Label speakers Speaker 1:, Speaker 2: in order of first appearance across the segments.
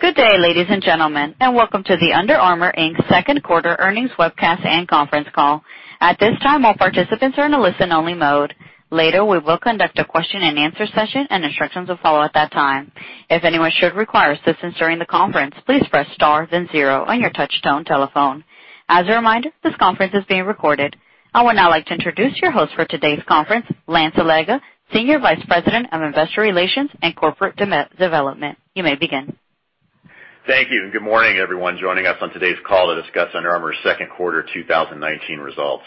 Speaker 1: Good day, ladies and gentlemen, and welcome to the Under Armour Inc's second quarter earnings webcast and conference call. At this time, all participants are in a listen-only mode. Later, we will conduct a question and answer session, and instructions will follow at that time. If anyone should require assistance during the conference, please press star then zero on your touchtone telephone. As a reminder, this conference is being recorded. I would now like to introduce your host for today's conference, Lance Allega, Senior Vice President of Investor Relations and Corporate Development. You may begin.
Speaker 2: Thank you, and good morning everyone joining us on today's call to discuss Under Armour's second quarter 2019 results.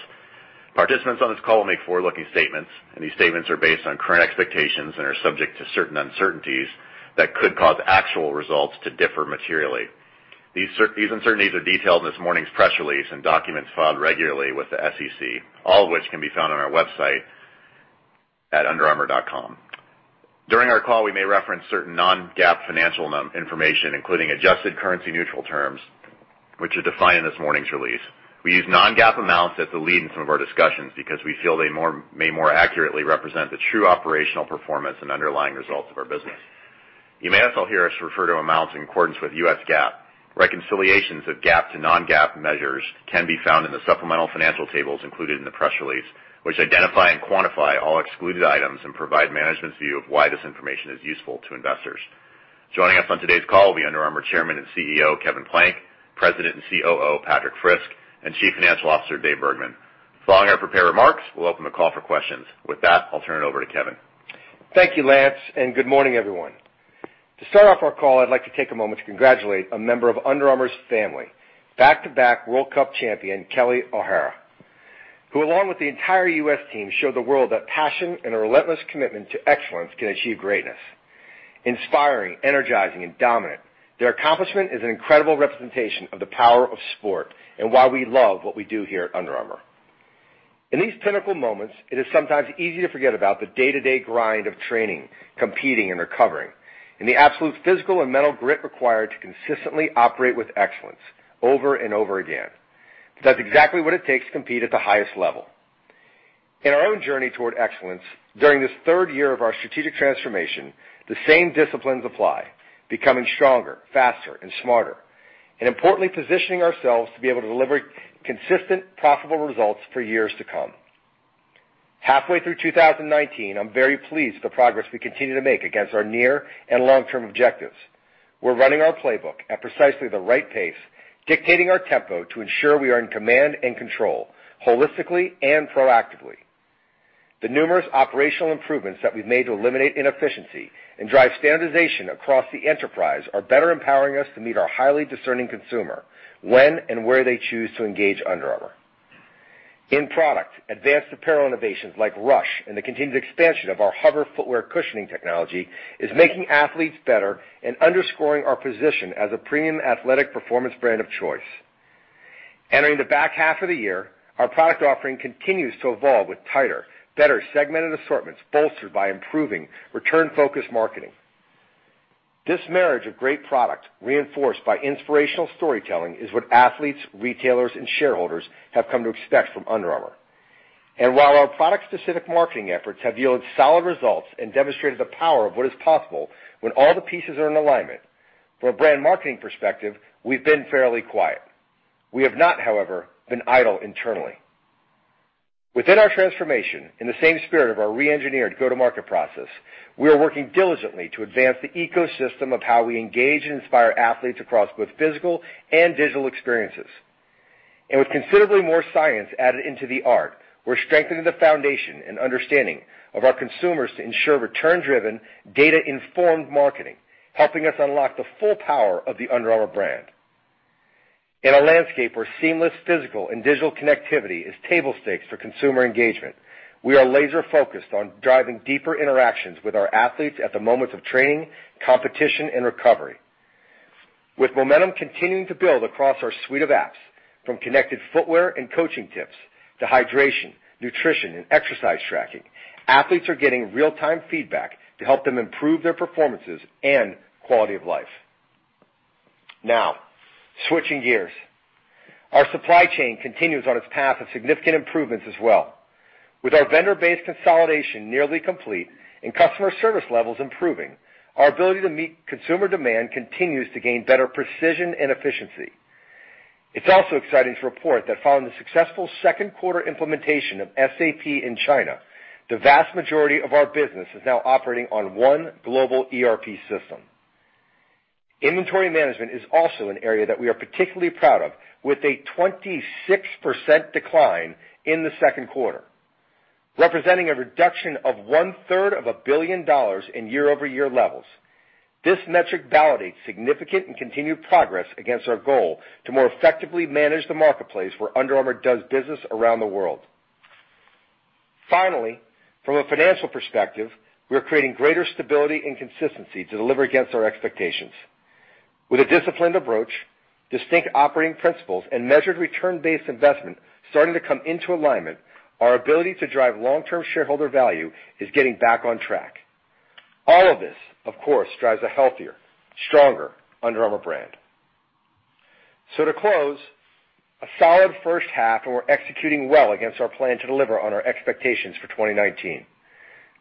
Speaker 2: Participants on this call will make forward-looking statements, and these statements are based on current expectations and are subject to certain uncertainties that could cause actual results to differ materially. These uncertainties are detailed in this morning's press release and documents filed regularly with the SEC, all of which can be found on our website at underarmour.com. During our call, we may reference certain non-GAAP financial information, including adjusted currency neutral terms, which are defined in this morning's release. We use non-GAAP amounts as the lead in some of our discussions because we feel they may more accurately represent the true operational performance and underlying results of our business. You may also hear us refer to amounts in accordance with U.S. GAAP. Reconciliations of GAAP to non-GAAP measures can be found in the supplemental financial tables included in the press release, which identify and quantify all excluded items and provide management's view of why this information is useful to investors. Joining us on today's call will be Under Armour Chairman and CEO, Kevin Plank; President and COO, Patrik Frisk; and Chief Financial Officer, Dave Bergman. Following our prepared remarks, we'll open the call for questions. With that, I'll turn it over to Kevin.
Speaker 3: Thank you, Lance, and good morning, everyone. To start off our call, I'd like to take a moment to congratulate a member of Under Armour's family, back-to-back World Cup champion Kelley O'Hara, who, along with the entire U.S. team, showed the world that passion and a relentless commitment to excellence can achieve greatness. Inspiring, energizing, and dominant, their accomplishment is an incredible representation of the power of sport and why we love what we do here at Under Armour. In these pinnacle moments, it is sometimes easy to forget about the day-to-day grind of training, competing, and recovering, and the absolute physical and mental grit required to consistently operate with excellence over and over again. That's exactly what it takes to compete at the highest level. In our own journey toward excellence, during this third year of our strategic transformation, the same disciplines apply. Becoming stronger, faster, and smarter. Importantly, positioning ourselves to be able to deliver consistent, profitable results for years to come. Halfway through 2019, I'm very pleased with the progress we continue to make against our near and long-term objectives. We're running our playbook at precisely the right pace, dictating our tempo to ensure we are in command and control holistically and proactively. The numerous operational improvements that we've made to eliminate inefficiency and drive standardization across the enterprise are better empowering us to meet our highly discerning consumer when and where they choose to engage Under Armour. In product, advanced apparel innovations like RUSH and the continued expansion of our HOVR footwear cushioning technology is making athletes better and underscoring our position as a premium athletic performance brand of choice. Entering the back half of the year, our product offering continues to evolve with tighter, better segmented assortments, bolstered by improving return-focused marketing. This marriage of great product, reinforced by inspirational storytelling, is what athletes, retailers, and shareholders have come to expect from Under Armour. While our product-specific marketing efforts have yielded solid results and demonstrated the power of what is possible when all the pieces are in alignment, from a brand marketing perspective, we've been fairly quiet. We have not, however, been idle internally. Within our transformation, in the same spirit of our re-engineered go-to-market process, we are working diligently to advance the ecosystem of how we engage and inspire athletes across both physical and digital experiences. With considerably more science added into the art, we're strengthening the foundation and understanding of our consumers to ensure return-driven, data-informed marketing, helping us unlock the full power of the Under Armour brand. In a landscape where seamless physical and digital connectivity is table stakes for consumer engagement, we are laser-focused on driving deeper interactions with our athletes at the moment of training, competition, and recovery. With momentum continuing to build across our suite of apps, from connected footwear and coaching tips to hydration, nutrition, and exercise tracking, athletes are getting real-time feedback to help them improve their performances and quality of life. Switching gears, our supply chain continues on its path of significant improvements as well. With our vendor-based consolidation nearly complete and customer service levels improving, our ability to meet consumer demand continues to gain better precision and efficiency. It's also exciting to report that following the successful second quarter implementation of SAP in China, the vast majority of our business is now operating on one global ERP system. Inventory management is also an area that we are particularly proud of, with a 26% decline in the second quarter, representing a reduction of 1/3 of $1 billion in year-over-year levels. This metric validates significant and continued progress against our goal to more effectively manage the marketplace where Under Armour does business around the world. From a financial perspective, we are creating greater stability and consistency to deliver against our expectations. With a disciplined approach, distinct operating principles, and measured return-based investment starting to come into alignment, our ability to drive long-term shareholder value is getting back on track. All of this, of course, drives a healthier, stronger Under Armour brand. To close, a solid first half, and we're executing well against our plan to deliver on our expectations for 2019.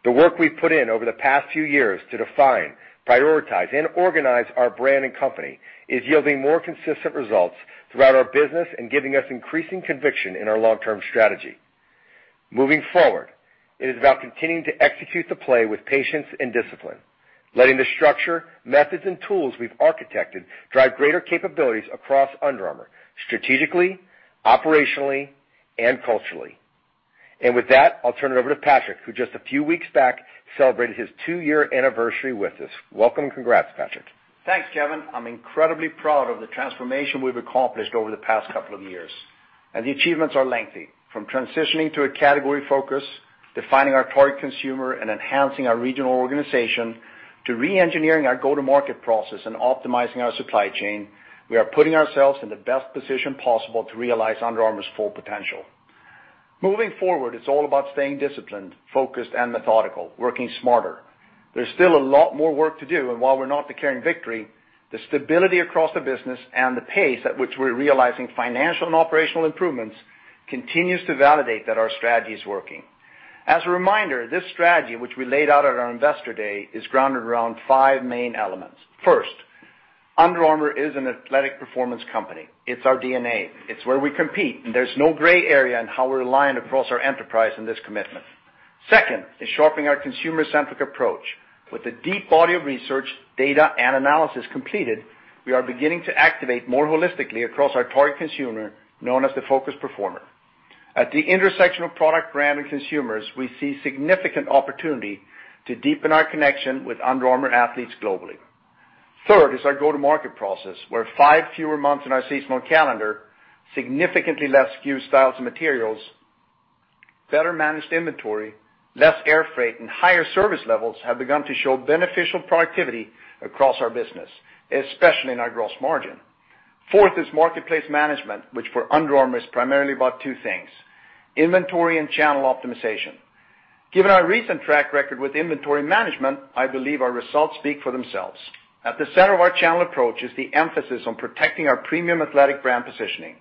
Speaker 3: The work we've put in over the past few years to define, prioritize, and organize our brand and company is yielding more consistent results throughout our business and giving us increasing conviction in our long-term strategy. Moving forward, it is about continuing to execute the play with patience and discipline, letting the structure, methods, and tools we've architected drive greater capabilities across Under Armour strategically, operationally, and culturally. I'll turn it over to Patrik, who just a few weeks back celebrated his two-year anniversary with us. Welcome. Congrats, Patrik.
Speaker 4: Thanks, Kevin. I'm incredibly proud of the transformation we've accomplished over the past couple of years, and the achievements are lengthy, from transitioning to a category focus, defining our target consumer, and enhancing our regional organization, to re-engineering our go-to-market process and optimizing our supply chain. We are putting ourselves in the best position possible to realize Under Armour's full potential. Moving forward, it's all about staying disciplined, focused, and methodical, working smarter. There's still a lot more work to do, and while we're not declaring victory, the stability across the business and the pace at which we're realizing financial and operational improvements continues to validate that our strategy is working. As a reminder, this strategy, which we laid out at our investor day, is grounded around five main elements. First, Under Armour is an athletic performance company. It's our DNA. It's where we compete, and there's no gray area on how we're aligned across our enterprise in this commitment. Second is sharpening our consumer-centric approach. With a deep body of research, data, and analysis completed, we are beginning to activate more holistically across our target consumer, known as the Focused Performer. At the intersection of product, brand, and consumers, we see significant opportunity to deepen our connection with Under Armour athletes globally. Third is our go-to-market process, where five fewer months in our seasonal calendar, significantly less SKU styles and materials, better-managed inventory, less air freight, and higher service levels have begun to show beneficial productivity across our business, especially in our gross margin. Fourth is marketplace management, which for Under Armour is primarily about two things, inventory and channel optimization. Given our recent track record with inventory management, I believe our results speak for themselves. At the center of our channel approach is the emphasis on protecting our premium athletic brand positioning.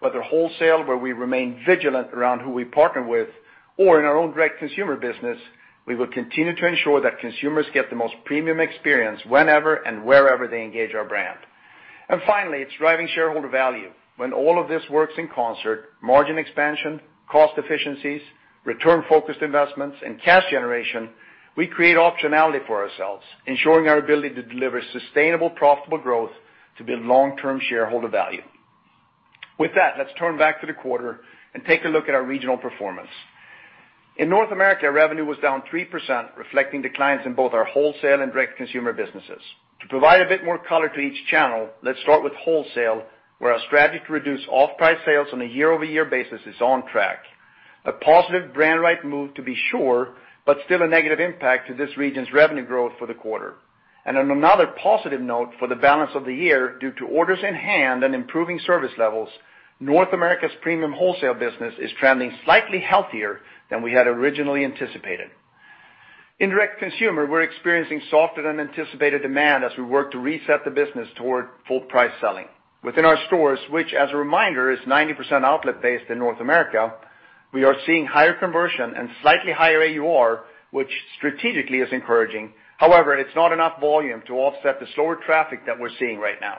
Speaker 4: Whether wholesale, where we remain vigilant around who we partner with, or in our own direct-to-consumer business, we will continue to ensure that consumers get the most premium experience whenever and wherever they engage our brand. Finally, it's driving shareholder value. When all of this works in concert, margin expansion, cost efficiencies, return-focused investments, and cash generation, we create optionality for ourselves, ensuring our ability to deliver sustainable, profitable growth to build long-term shareholder value. With that, let's turn back to the quarter and take a look at our regional performance. In North America, revenue was down 3%, reflecting declines in both our wholesale and direct-to-consumer businesses. To provide a bit more color to each channel, let's start with wholesale, where our strategy to reduce off-price sales on a year-over-year basis is on track. A positive brand right move, to be sure, but still a negative impact to this region's revenue growth for the quarter. On another positive note, for the balance of the year, due to orders in hand and improving service levels, North America's premium wholesale business is trending slightly healthier than we had originally anticipated. In direct-to-consumer, we're experiencing softer-than-anticipated demand as we work to reset the business toward full-price selling. Within our stores, which, as a reminder, is 90% outlet-based in North America, we are seeing higher conversion and slightly higher AUR, which strategically is encouraging. However, it's not enough volume to offset the slower traffic that we're seeing right now.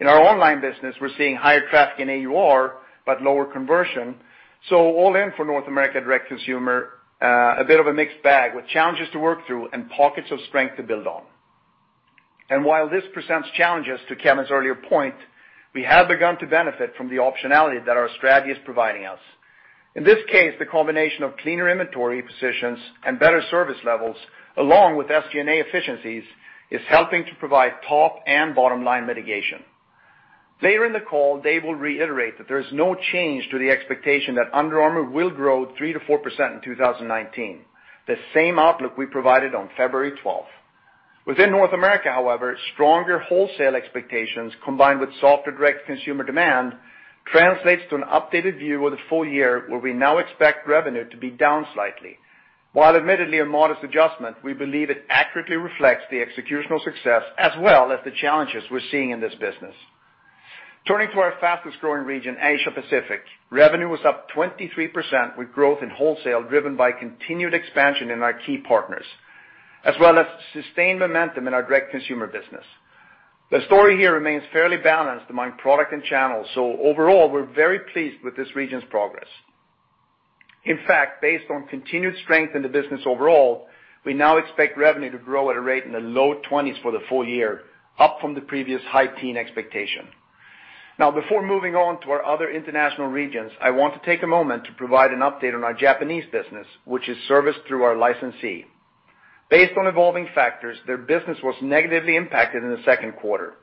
Speaker 4: In our online business, we're seeing higher traffic in AUR, but lower conversion. All in for North America direct-to-consumer, a bit of a mixed bag with challenges to work through and pockets of strength to build on. While this presents challenges to Kevin's earlier point, we have begun to benefit from the optionality that our strategy is providing us. In this case, the combination of cleaner inventory positions and better service levels, along with SG&A efficiencies, is helping to provide top and bottom-line mitigation. Later in the call, Dave will reiterate that there is no change to the expectation that Under Armour will grow 3%-4% in 2019, the same outlook we provided on February 12th. Within North America, however, stronger wholesale expectations combined with softer direct-to-consumer demand translates to an updated view of the full year, where we now expect revenue to be down slightly. While admittedly a modest adjustment, we believe it accurately reflects the executional success as well as the challenges we're seeing in this business. Turning to our fastest-growing region, Asia Pacific, revenue was up 23% with growth in wholesale driven by continued expansion in our key partners, as well as sustained momentum in our direct-to-consumer business. The story here remains fairly balanced among product and channels, so overall, we're very pleased with this region's progress. In fact, based on continued strength in the business overall, we now expect revenue to grow at a rate in the low-20% for the full year, up from the previous high teen expectation. Before moving on to our other international regions, I want to take a moment to provide an update on our Japanese business, which is serviced through our licensee. Based on evolving factors, their business was negatively impacted in the second quarter.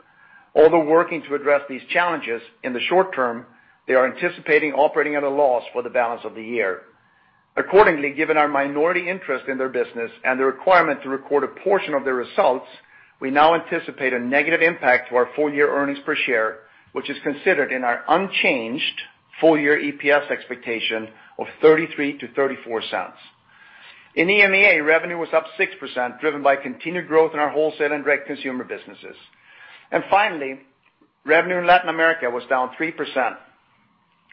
Speaker 4: Although working to address these challenges, in the short term, they are anticipating operating at a loss for the balance of the year. Accordingly, given our minority interest in their business and the requirement to record a portion of their results, we now anticipate a negative impact to our full-year earnings per share, which is considered in our unchanged full-year EPS expectation of $0.33-$0.34. EMEA revenue was up 6%, driven by continued growth in our wholesale and direct-to-consumer businesses. Finally, revenue in Latin America was down 3%,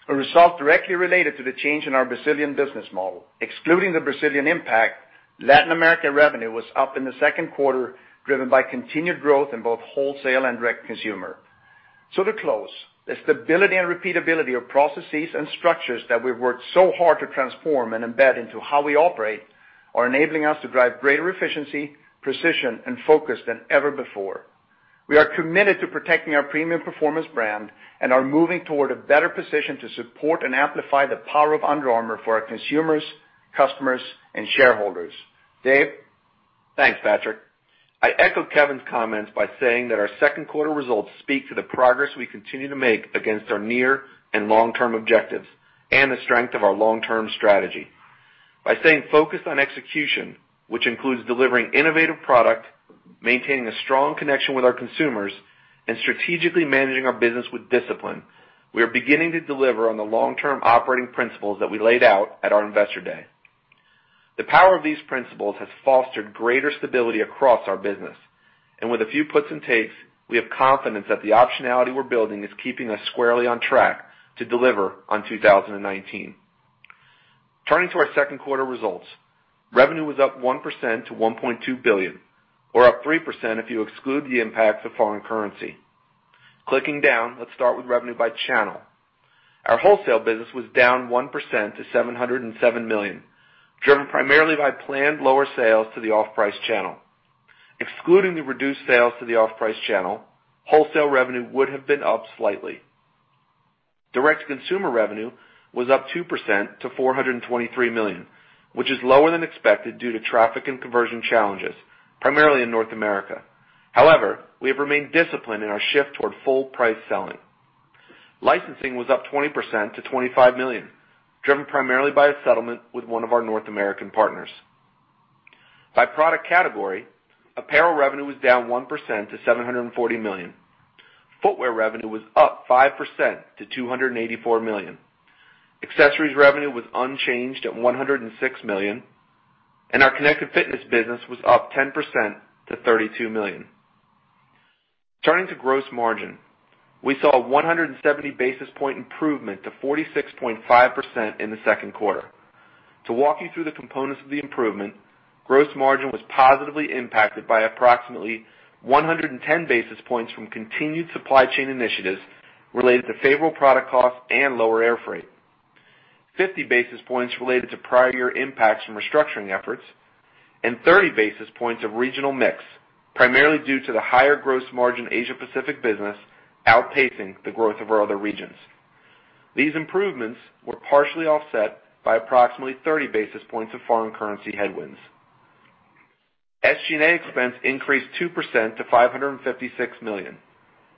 Speaker 4: a result directly related to the change in our Brazilian business model. Excluding the Brazilian impact, Latin American revenue was up in the second quarter, driven by continued growth in both wholesale and direct-to-consumer. To close, the stability and repeatability of processes and structures that we've worked so hard to transform and embed into how we operate are enabling us to drive greater efficiency, precision, and focus than ever before. We are committed to protecting our premium performance brand and are moving toward a better position to support and amplify the power of Under Armour for our consumers, customers, and shareholders. Dave?
Speaker 5: Thanks, Patrik. I echo Kevin's comments by saying that our second quarter results speak to the progress we continue to make against our near and long-term objectives and the strength of our long-term strategy. By staying focused on execution, which includes delivering innovative product, maintaining a strong connection with our consumers, and strategically managing our business with discipline, we are beginning to deliver on the long-term operating principles that we laid out at our Investor Day. The power of these principles has fostered greater stability across our business. With a few puts and takes, we have confidence that the optionality we're building is keeping us squarely on track to deliver on 2019. Turning to our second quarter results, revenue was up 1% to $1.2 billion, or up 3% if you exclude the impact of foreign currency. Clicking down, let's start with revenue by channel. Our wholesale business was down 1% to $707 million, driven primarily by planned lower sales to the off-price channel. Excluding the reduced sales to the off-price channel, wholesale revenue would have been up slightly. Direct-to-consumer revenue was up 2% to $423 million, which is lower than expected due to traffic and conversion challenges, primarily in North America. However, we have remained disciplined in our shift toward full price selling. Licensing was up 20% to $25 million, driven primarily by a settlement with one of our North American partners. By product category, apparel revenue was down 1% to $740 million. Footwear revenue was up 5% to $284 million. Accessories revenue was unchanged at $106 million, and our Connected Fitness business was up 10% to $32 million. Turning to gross margin. We saw a 170 basis point improvement to 46.5% in the second quarter. To walk you through the components of the improvement, gross margin was positively impacted by approximately 110 basis points from continued supply chain initiatives related to favorable product costs and lower air freight, 50 basis points related to prior year impacts from restructuring efforts, and 30 basis points of regional mix, primarily due to the higher gross margin Asia Pacific business outpacing the growth of our other regions. These improvements were partially offset by approximately 30 basis points of foreign currency headwinds. SG&A expense increased 2% to $556 million,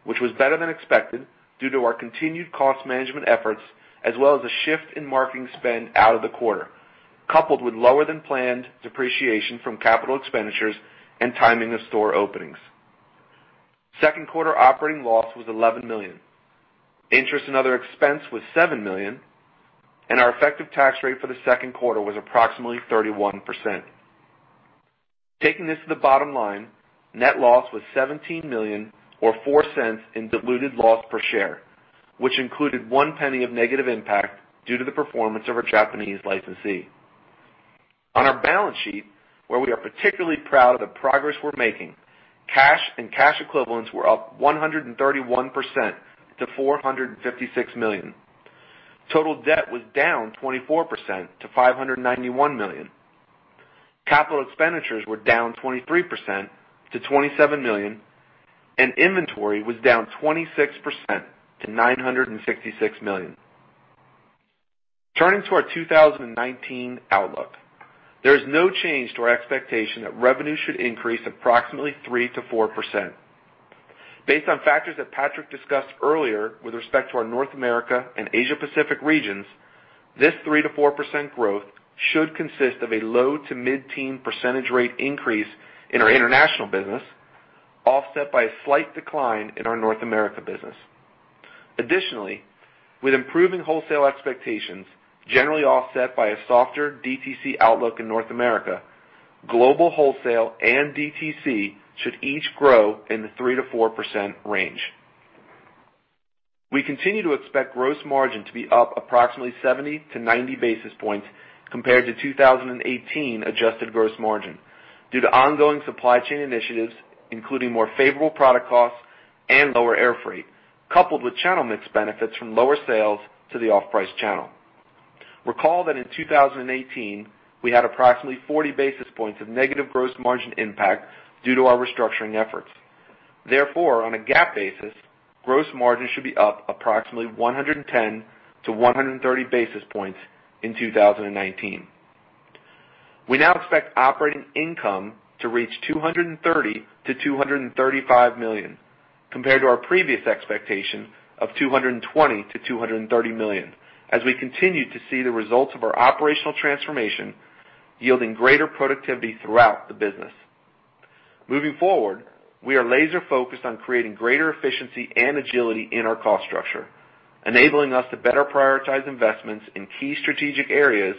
Speaker 5: which was better than expected due to our continued cost management efforts, as well as a shift in marketing spend out of the quarter, coupled with lower-than-planned depreciation from capital expenditures and timing of store openings. Second quarter operating loss was $11 million. Interest and other expense was $7 million, and our effective tax rate for the second quarter was approximately 31%. Taking this to the bottom line, net loss was $17 million or $0.04 in diluted loss per share, which included $0.01 of negative impact due to the performance of our Japanese licensee. On our balance sheet, where we are particularly proud of the progress we're making, cash and cash equivalents were up 131% to $456 million. Total debt was down 24% to $591 million. Capital expenditures were down 23% to $27 million, and inventory was down 26% to $966 million. Turning to our 2019 outlook. There is no change to our expectation that revenue should increase approximately 3%-4%. Based on factors that Patrik discussed earlier with respect to our North America and Asia Pacific regions, this 3%-4% growth should consist of a low to mid-teen percentage rate increase in our international business, offset by a slight decline in our North America business. Additionally, with improving wholesale expectations generally offset by a softer DTC outlook in North America, global wholesale and DTC should each grow in the 3%-4% range. We continue to expect gross margin to be up approximately 70 basis points-90 basis points compared to 2018 adjusted gross margin due to ongoing supply chain initiatives, including more favorable product costs and lower airfreight, coupled with channel mix benefits from lower sales to the off-price channel. Recall that in 2018, we had approximately 40 basis points of negative gross margin impact due to our restructuring efforts. Therefore, on a GAAP basis, gross margin should be up approximately 110 basis points-130 basis points in 2019. We now expect operating income to reach $230 million-$235 million, compared to our previous expectation of $220 million-$230 million, as we continue to see the results of our operational transformation yielding greater productivity throughout the business. Moving forward, we are laser focused on creating greater efficiency and agility in our cost structure, enabling us to better prioritize investments in key strategic areas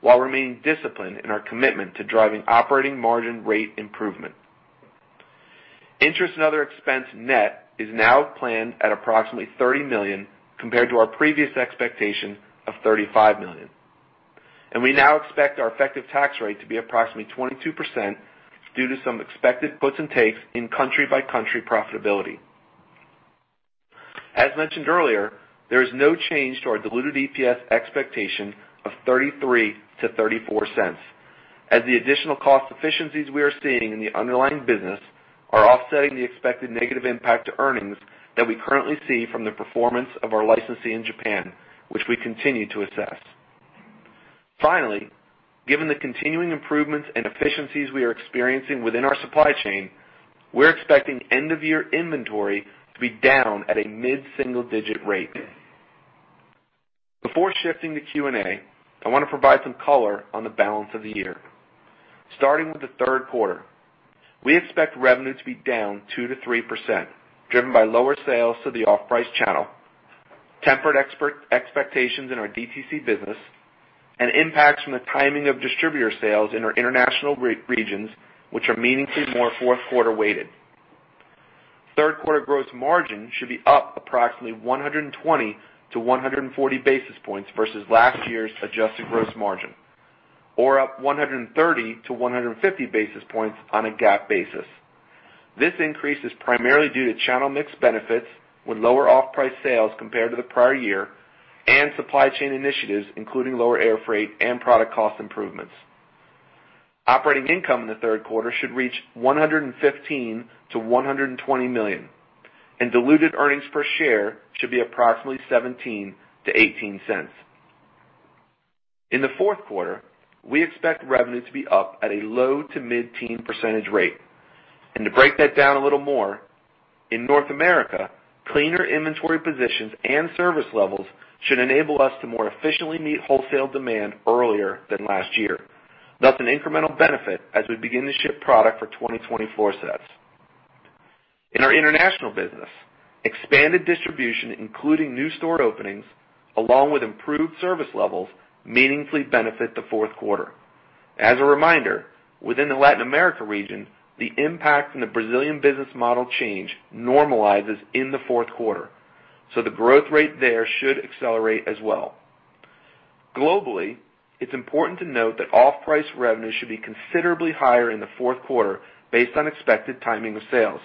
Speaker 5: while remaining disciplined in our commitment to driving operating margin rate improvement. Interest and other expense net is now planned at approximately $30 million compared to our previous expectation of $35 million. We now expect our effective tax rate to be approximately 22% due to some expected gives and takes in country by country profitability. As mentioned earlier, there is no change to our diluted EPS expectation of $0.33-$0.34, as the additional cost efficiencies we are seeing in the underlying business are offsetting the expected negative impact to earnings that we currently see from the performance of our licensee in Japan, which we continue to assess. Given the continuing improvements and efficiencies we are experiencing within our supply chain, we are expecting end of year inventory to be down at a mid-single-digit rate. Before shifting to Q&A, I want to provide some color on the balance of the year. Starting with the third quarter, we expect revenue to be down 2%-3%, driven by lower sales to the off-price channel, tempered expectations in our DTC business, and impacts from the timing of distributor sales in our international regions, which are meaningfully more fourth quarter weighted. Third quarter gross margin should be up approximately 120 basis points-140 basis points versus last year's adjusted gross margin. Or up 130 basis points-150 basis points on a GAAP basis. This increase is primarily due to channel mix benefits with lower off-price sales compared to the prior year, and supply chain initiatives, including lower air freight and product cost improvements. Operating income in the third quarter should reach $115 million-$120 million, and diluted earnings per share should be approximately $0.17-$0.18. In the fourth quarter, we expect revenue to be up at a low to mid-teen percentage rate. To break that down a little more, in North America, cleaner inventory positions and service levels should enable us to more efficiently meet wholesale demand earlier than last year, thus an incremental benefit as we begin to ship product for 2020 sets. In our international business, expanded distribution, including new store openings, along with improved service levels, meaningfully benefit the fourth quarter. As a reminder, within the Latin America region, the impact in the Brazilian business model change normalizes in the fourth quarter, the growth rate there should accelerate as well. Globally, it's important to note that off-price revenue should be considerably higher in the fourth quarter based on expected timing of sales.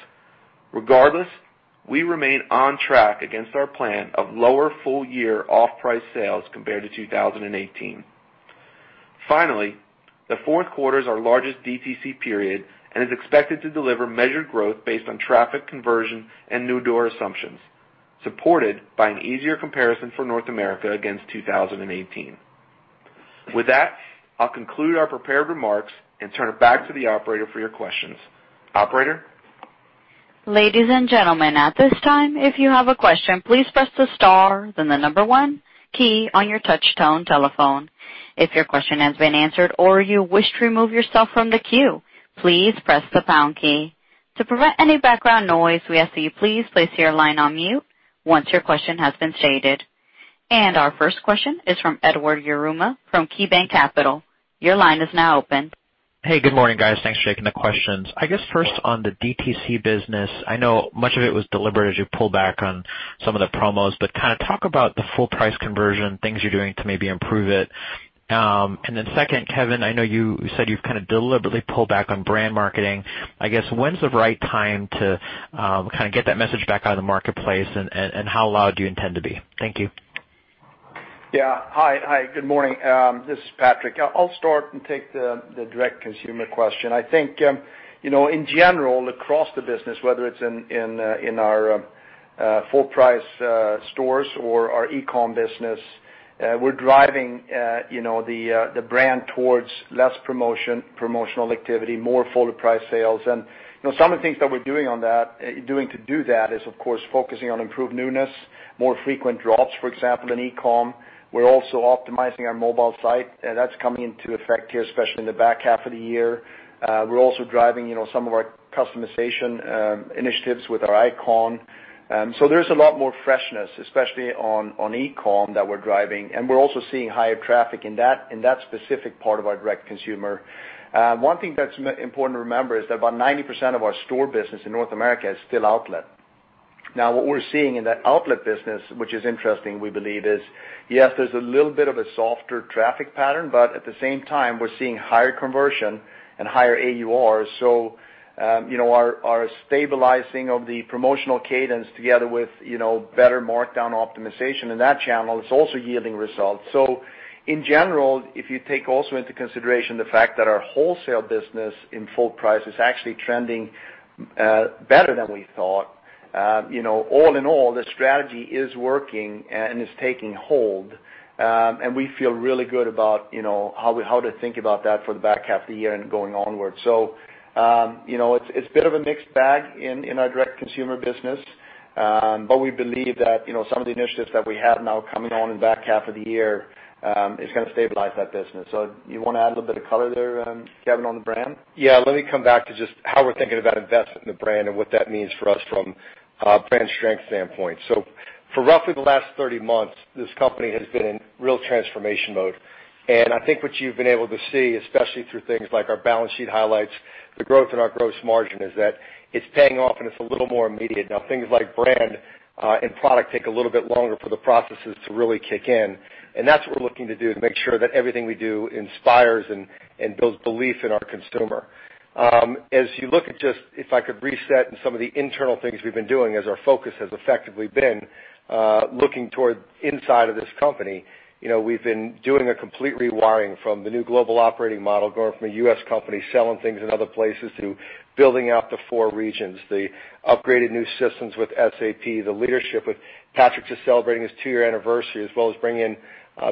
Speaker 5: Regardless, we remain on track against our plan of lower full year off-price sales compared to 2018. The fourth quarter is our largest DTC period and is expected to deliver measured growth based on traffic conversion and new door assumptions, supported by an easier comparison for North America against 2018. With that, I'll conclude our prepared remarks and turn it back to the operator for your questions. Operator?
Speaker 1: Ladies and gentlemen, at this time, if you have a question, please press the star then the number one key on your touch tone telephone. If your question has been answered or you wish to remove yourself from the queue, please press the pound key. To prevent any background noise, we ask that you please place your line on mute once your question has been stated. Our first question is from Edward Yruma from KeyBanc Capital. Your line is now open.
Speaker 6: Hey, good morning, guys. Thanks for taking the questions. I guess first on the DTC business, I know much of it was deliberate as you pulled back on some of the promos, but kind of talk about the full price conversion, things you're doing to maybe improve it. Second, Kevin, I know you said you've kind of deliberately pulled back on brand marketing. I guess, when is the right time to kind of get that message back out in the marketplace and how loud do you intend to be? Thank you.
Speaker 4: Yeah. Hi. Good morning. This is Patrik. I'll start and take the direct consumer question. I think, you know, in general, across the business, whether it's in our full price stores or our e-com business, we're driving, you know, the brand towards less promotion, promotional activity, more full price sales. You know, some of the things that we're doing on that, doing to do that is, of course, focusing on improved newness, more frequent drops, for example, in e-com. We're also optimizing our mobile site. That's coming into effect here, especially in the back half of the year. We're also driving, you know, some of our customization initiatives with our ICON. There's a lot more freshness, especially on e-com that we're driving, and we're also seeing higher traffic in that specific part of our direct consumer. One thing that's important to remember is that about 90% of our store business in North America is still outlet. What we're seeing in that outlet business, which is interesting, we believe is, yes, there's a little bit of a softer traffic pattern, but at the same time, we're seeing higher conversion and higher AUR. You know, our stabilizing of the promotional cadence together with, you know, better markdown optimization in that channel is also yielding results. In general, if you take also into consideration the fact that our wholesale business in full price is actually trending better than we thought, you know, all in all, the strategy is working and is taking hold. And we feel really good about, you know, how to think about that for the back half of the year and going onward. You know, it's a bit of a mixed bag in our direct consumer business. We believe that some of the initiatives that we have now coming on in the back half of the year is going to stabilize that business. Do you want to add a little bit of color there, Kevin, on the brand?
Speaker 3: Yeah. Let me come back to just how we're thinking about investing in the brand and what that means for us from a brand strength standpoint. For roughly the last 30 months, this company has been in real transformation mode. I think what you've been able to see, especially through things like our balance sheet highlights, the growth in our gross margin, is that it's paying off and it's a little more immediate. Now, things like brand and product take a little bit longer for the processes to really kick in, and that's what we're looking to do, to make sure that everything we do inspires and builds belief in our consumer. As you look at just, if I could reset in some of the internal things we've been doing as our focus has effectively been looking toward inside of this company. We've been doing a complete rewiring from the new global operating model, going from a U.S. company selling things in other places, to building out the four regions, the upgraded new systems with SAP, the leadership with Patrik just celebrating his two-year anniversary, as well as bringing in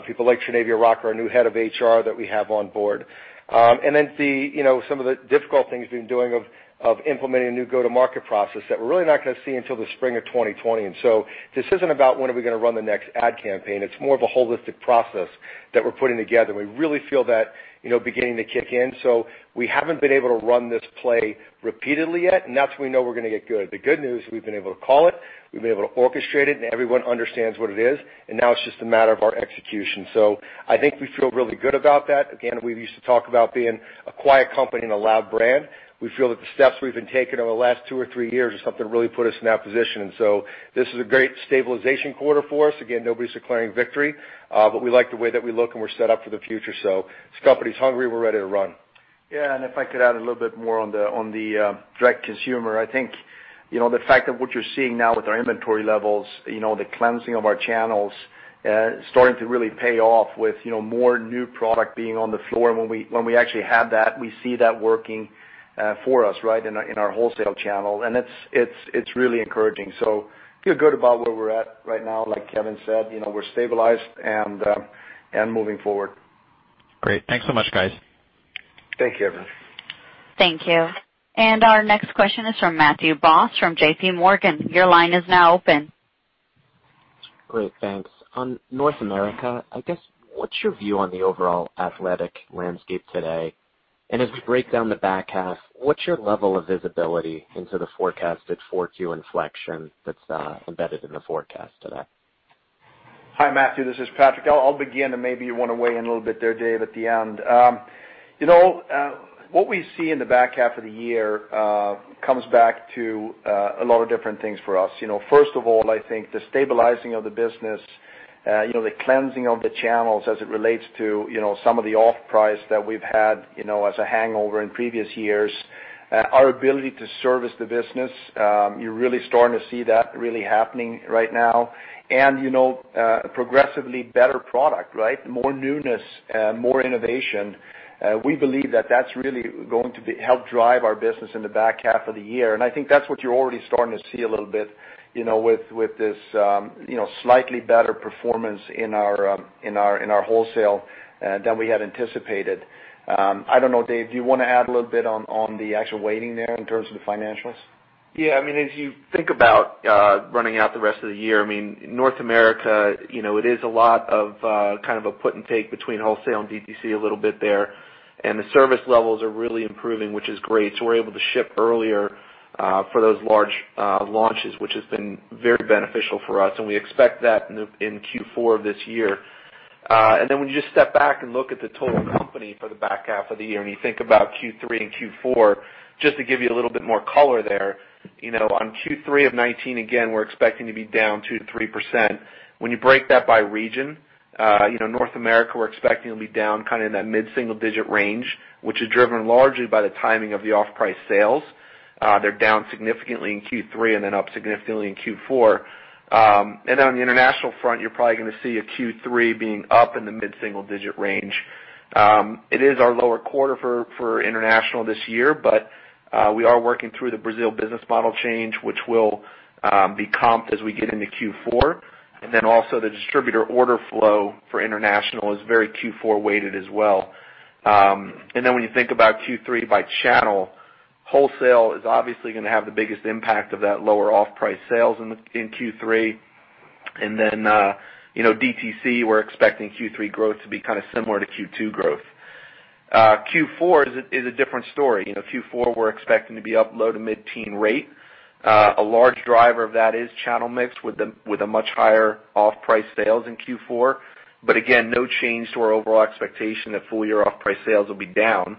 Speaker 3: people like Tchernavia Rocker, our new head of HR that we have on board. Then some of the difficult things we've been doing of implementing a new go-to-market process that we're really not going to see until the spring of 2020. This isn't about when are we going to run the next ad campaign. It's more of a holistic process that we're putting together, and we really feel that beginning to kick in. We haven't been able to run this play repeatedly yet, and that's when we know we're gonna get good. The good news, we've been able to call it, we've been able to orchestrate it, and everyone understands what it is, and now it's just a matter of our execution. I think we feel really good about that. Again, we used to talk about being a quiet company and a loud brand. We feel that the steps we've been taking over the last two or three years is something that really put us in that position. This is a great stabilization quarter for us. Again, nobody's declaring victory, but we like the way that we look and we're set up for the future. This company's hungry, we're ready to run.
Speaker 4: Yeah. If I could add a little bit more on the direct consumer, I think, the fact that what you're seeing now with our inventory levels, the cleansing of our channels, starting to really pay off with more new product being on the floor. When we actually have that, we see that working for us right in our wholesale channel, and it's really encouraging. Feel good about where we're at right now. Like Kevin said, we're stabilized and moving forward.
Speaker 6: Great. Thanks so much, guys.
Speaker 3: Thank you, Edward.
Speaker 1: Thank you. Our next question is from Matthew Boss, from JPMorgan. Your line is now open.
Speaker 7: Great. Thanks. On North America, I guess, what's your view on the overall athletic landscape today? As we break down the back half, what's your level of visibility into the forecasted 4Q inflection that's embedded in the forecast today?
Speaker 4: Hi, Matthew. This is Patrik. I'll begin, maybe you want to weigh in a little bit there, Dave, at the end. What we see in the back half of the year, comes back to a lot of different things for us. First of all, I think the stabilizing of the business, the cleansing of the channels as it relates to some of the off-price that we've had as a hangover in previous years. Our ability to service the business, you're really starting to see that really happening right now. Progressively better product, right? More newness, more innovation. We believe that that's really going to help drive our business in the back half of the year, and I think that's what you're already starting to see a little bit with this slightly better performance in our wholesale than we had anticipated. I don't know, Dave, do you want to add a little bit on the actual weighting there in terms of the financials?
Speaker 5: As you think about running out the rest of the year, North America, it is a lot of a put and take between wholesale and DTC a little bit there. The service levels are really improving, which is great. We're able to ship earlier for those large launches, which has been very beneficial for us, and we expect that in Q4 of this year. When you just step back and look at the total company for the back half of the year, and you think about Q3 and Q4, just to give you a little bit more color there. On Q3 of 2019, again, we're expecting to be down 2%-3%. When you break that by region, North America, we're expecting to be down in that mid-single digit range, which is driven largely by the timing of the off-price sales. They're down significantly in Q3 and then up significantly in Q4. On the international front, you're probably going to see a Q3 being up in the mid-single digit range. It is our lower quarter for international this year, but we are working through the Brazil business model change, which will be comp as we get into Q4. Also the distributor order flow for international is very Q4 weighted as well. When you think about Q3 by channel, wholesale is obviously going to have the biggest impact of that lower off-price sales in Q3. DTC, we're expecting Q3 growth to be similar to Q2 growth. Q4 is a different story. Q4, we're expecting to be up low to mid-teen rate. A large driver of that is channel mix with a much higher off-price sales in Q4. Again, no change to our overall expectation that full-year off-price sales will be down.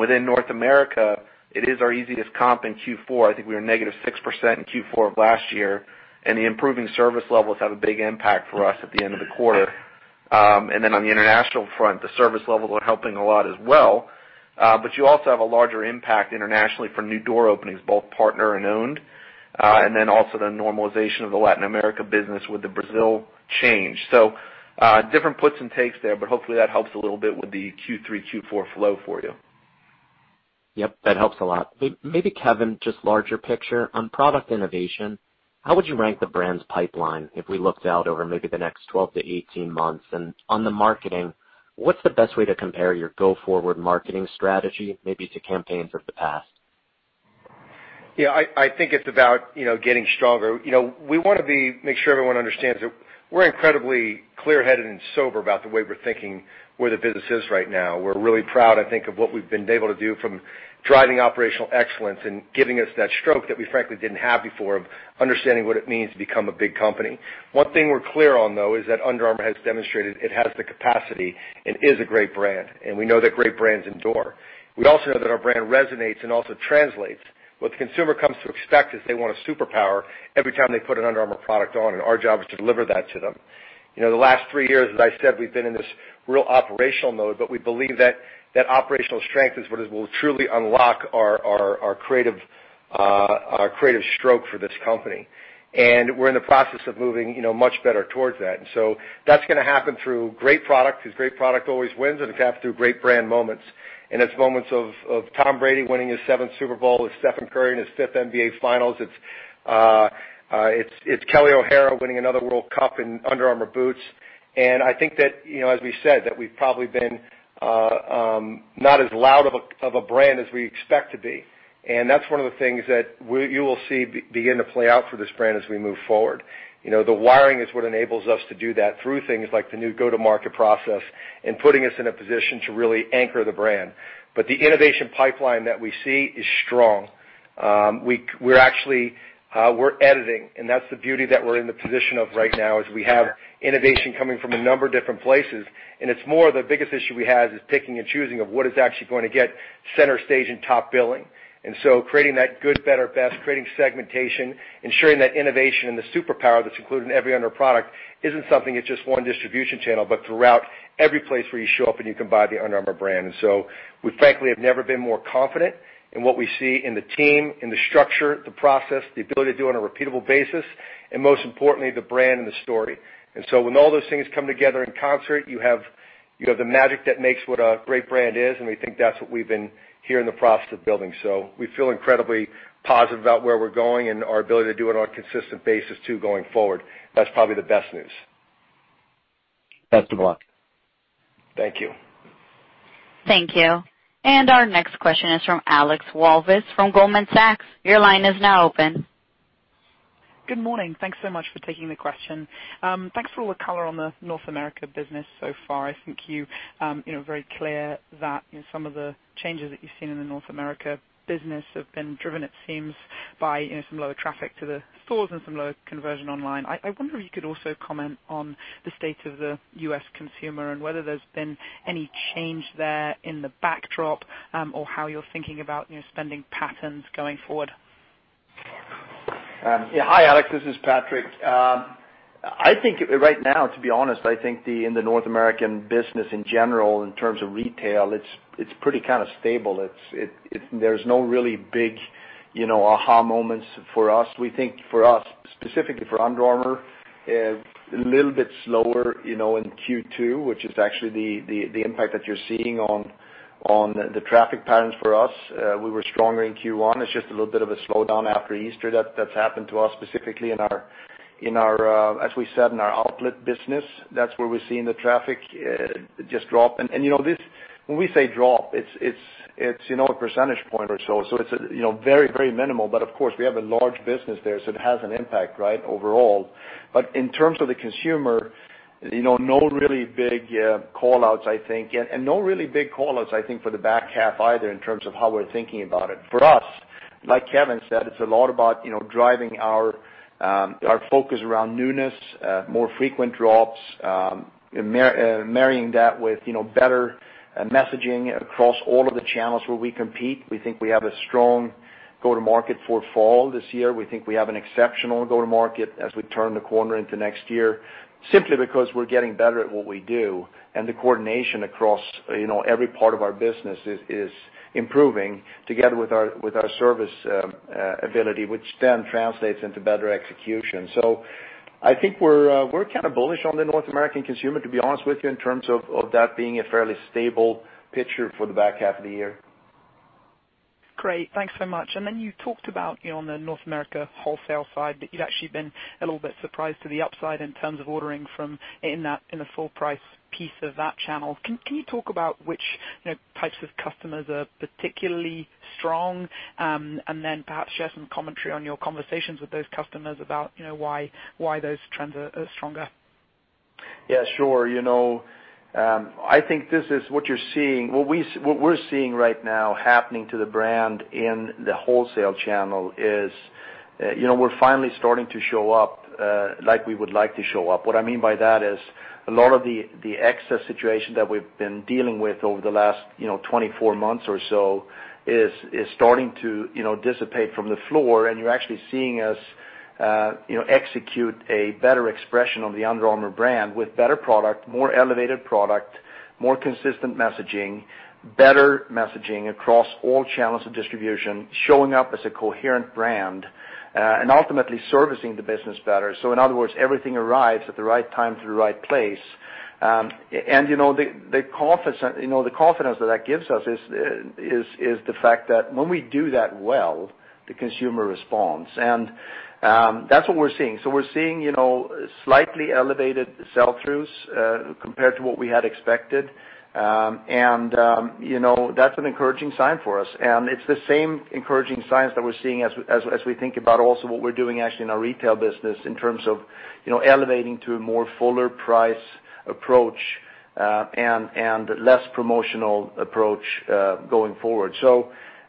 Speaker 5: Within North America, it is our easiest comp in Q4. I think we were -6% in Q4 of last year, and the improving service levels have a big impact for us at the end of the quarter. On the international front, the service levels are helping a lot as well. You also have a larger impact internationally for new door openings, both partner and owned. Also the normalization of the Latin America business with the Brazil change. Different puts and takes there, but hopefully that helps a little bit with the Q3, Q4 flow for you.
Speaker 7: Yep. That helps a lot. Maybe Kevin, just larger picture. On product innovation, how would you rank the brand's pipeline if we looked out over maybe the next 12-18 months? On the marketing. What's the best way to compare your go-forward marketing strategy, maybe to campaigns of the past?
Speaker 3: Yeah, I think it's about getting stronger. We want to make sure everyone understands that we're incredibly clear-headed and sober about the way we're thinking, where the business is right now. We're really proud, I think, of what we've been able to do from driving operational excellence and giving us that stroke that we frankly didn't have before of understanding what it means to become a big company. One thing we're clear on, though, is that Under Armour has demonstrated it has the capacity and is a great brand, and we know that great brands endure. We also know that our brand resonates and also translates. What the consumer comes to expect is they want a superpower every time they put an Under Armour product on, and our job is to deliver that to them. The last three years, as I said, we've been in this real operational mode. We believe that operational strength is what will truly unlock our creative stroke for this company. We're in the process of moving much better towards that. That's going to happen through great product, because great product always wins, and it's going to happen through great brand moments. It's moments of Tom Brady winning his sixth Super Bowl, with Stephen Curry in his fifth NBA Finals. It's Kelley O'Hara winning another World Cup in Under Armour boots. I think that, as we said, that we've probably been not as loud of a brand as we expect to be. That's one of the things that you will see begin to play out for this brand as we move forward. The wiring is what enables us to do that through things like the new go-to-market process and putting us in a position to really anchor the brand. The innovation pipeline that we see is strong. We're editing, and that's the beauty that we're in the position of right now is we have innovation coming from a number of different places, and it's more of the biggest issue we have is picking and choosing of what is actually going to get center stage and top billing. Creating that good, better, best, creating segmentation, ensuring that innovation and the superpower that's included in every Under Armour product isn't something that's just one distribution channel, but throughout every place where you show up and you can buy the Under Armour brand. We frankly have never been more confident in what we see in the team, in the structure, the process, the ability to do it on a repeatable basis, and most importantly, the brand and the story. When all those things come together in concert, you have the magic that makes what a great brand is, and we think that's what we've been here in the process of building. We feel incredibly positive about where we're going and our ability to do it on a consistent basis, too, going forward. That's probably the best news.
Speaker 7: Best of luck.
Speaker 3: Thank you.
Speaker 1: Thank you. Our next question is from Alex Walvis from Goldman Sachs. Your line is now open.
Speaker 8: Good morning. Thanks so much for taking the question. Thanks for all the color on the North America business so far. I think you're very clear that some of the changes that you've seen in the North America business have been driven, it seems, by some lower traffic to the stores and some lower conversion online. I wonder if you could also comment on the state of the U.S. consumer and whether there's been any change there in the backdrop or how you're thinking about spending patterns going forward.
Speaker 4: Yeah. Hi, Alex. This is Patrik. I think right now, to be honest, I think in the North American business in general, in terms of retail, it's pretty kind of stable. There's no really big aha moments for us. We think for us, specifically for Under Armour, a little bit slower in Q2, which is actually the impact that you're seeing on the traffic patterns for us. We were stronger in Q1. It's just a little bit of a slowdown after Easter that's happened to us, specifically in our, as we said, in our outlet business. That's where we're seeing the traffic just drop. When we say drop, it's 1 percentage point or so. It's very minimal, but of course, we have a large business there, so it has an impact overall. In terms of the consumer, no really big call-outs, I think. No really big call-outs, I think, for the back half either, in terms of how we're thinking about it. For us, like Kevin said, it's a lot about driving our focus around newness, more frequent drops, marrying that with better messaging across all of the channels where we compete. We think we have a strong go-to-market for fall this year. We think we have an exceptional go-to-market as we turn the corner into next year, simply because we're getting better at what we do. The coordination across every part of our business is improving together with our service ability, which then translates into better execution. I think we're kind of bullish on the North American consumer, to be honest with you, in terms of that being a fairly stable picture for the back half of the year.
Speaker 8: Great. Thanks so much. You talked about on the North America wholesale side, that you've actually been a little bit surprised to the upside in terms of ordering in the full price piece of that channel. Can you talk about which types of customers are particularly strong? Perhaps share some commentary on your conversations with those customers about why those trends are stronger.
Speaker 4: Yeah, sure. I think this is what you're seeing. What we're seeing right now happening to the brand in the wholesale channel is we're finally starting to show up like we would like to show up. What I mean by that is a lot of the excess situation that we've been dealing with over the last 24 months or so is starting to dissipate from the floor, and you're actually seeing us execute a better expression of the Under Armour brand with better product, more elevated product, more consistent messaging, better messaging across all channels of distribution, showing up as a coherent brand. Ultimately servicing the business better. In other words, everything arrives at the right time to the right place. The confidence that gives us is the fact that when we do that well, the consumer responds. That's what we're seeing. We're seeing slightly elevated sell-throughs compared to what we had expected. That's an encouraging sign for us. It's the same encouraging signs that we're seeing as we think about also what we're doing actually in our retail business in terms of elevating to a more fuller price approach and less promotional approach going forward.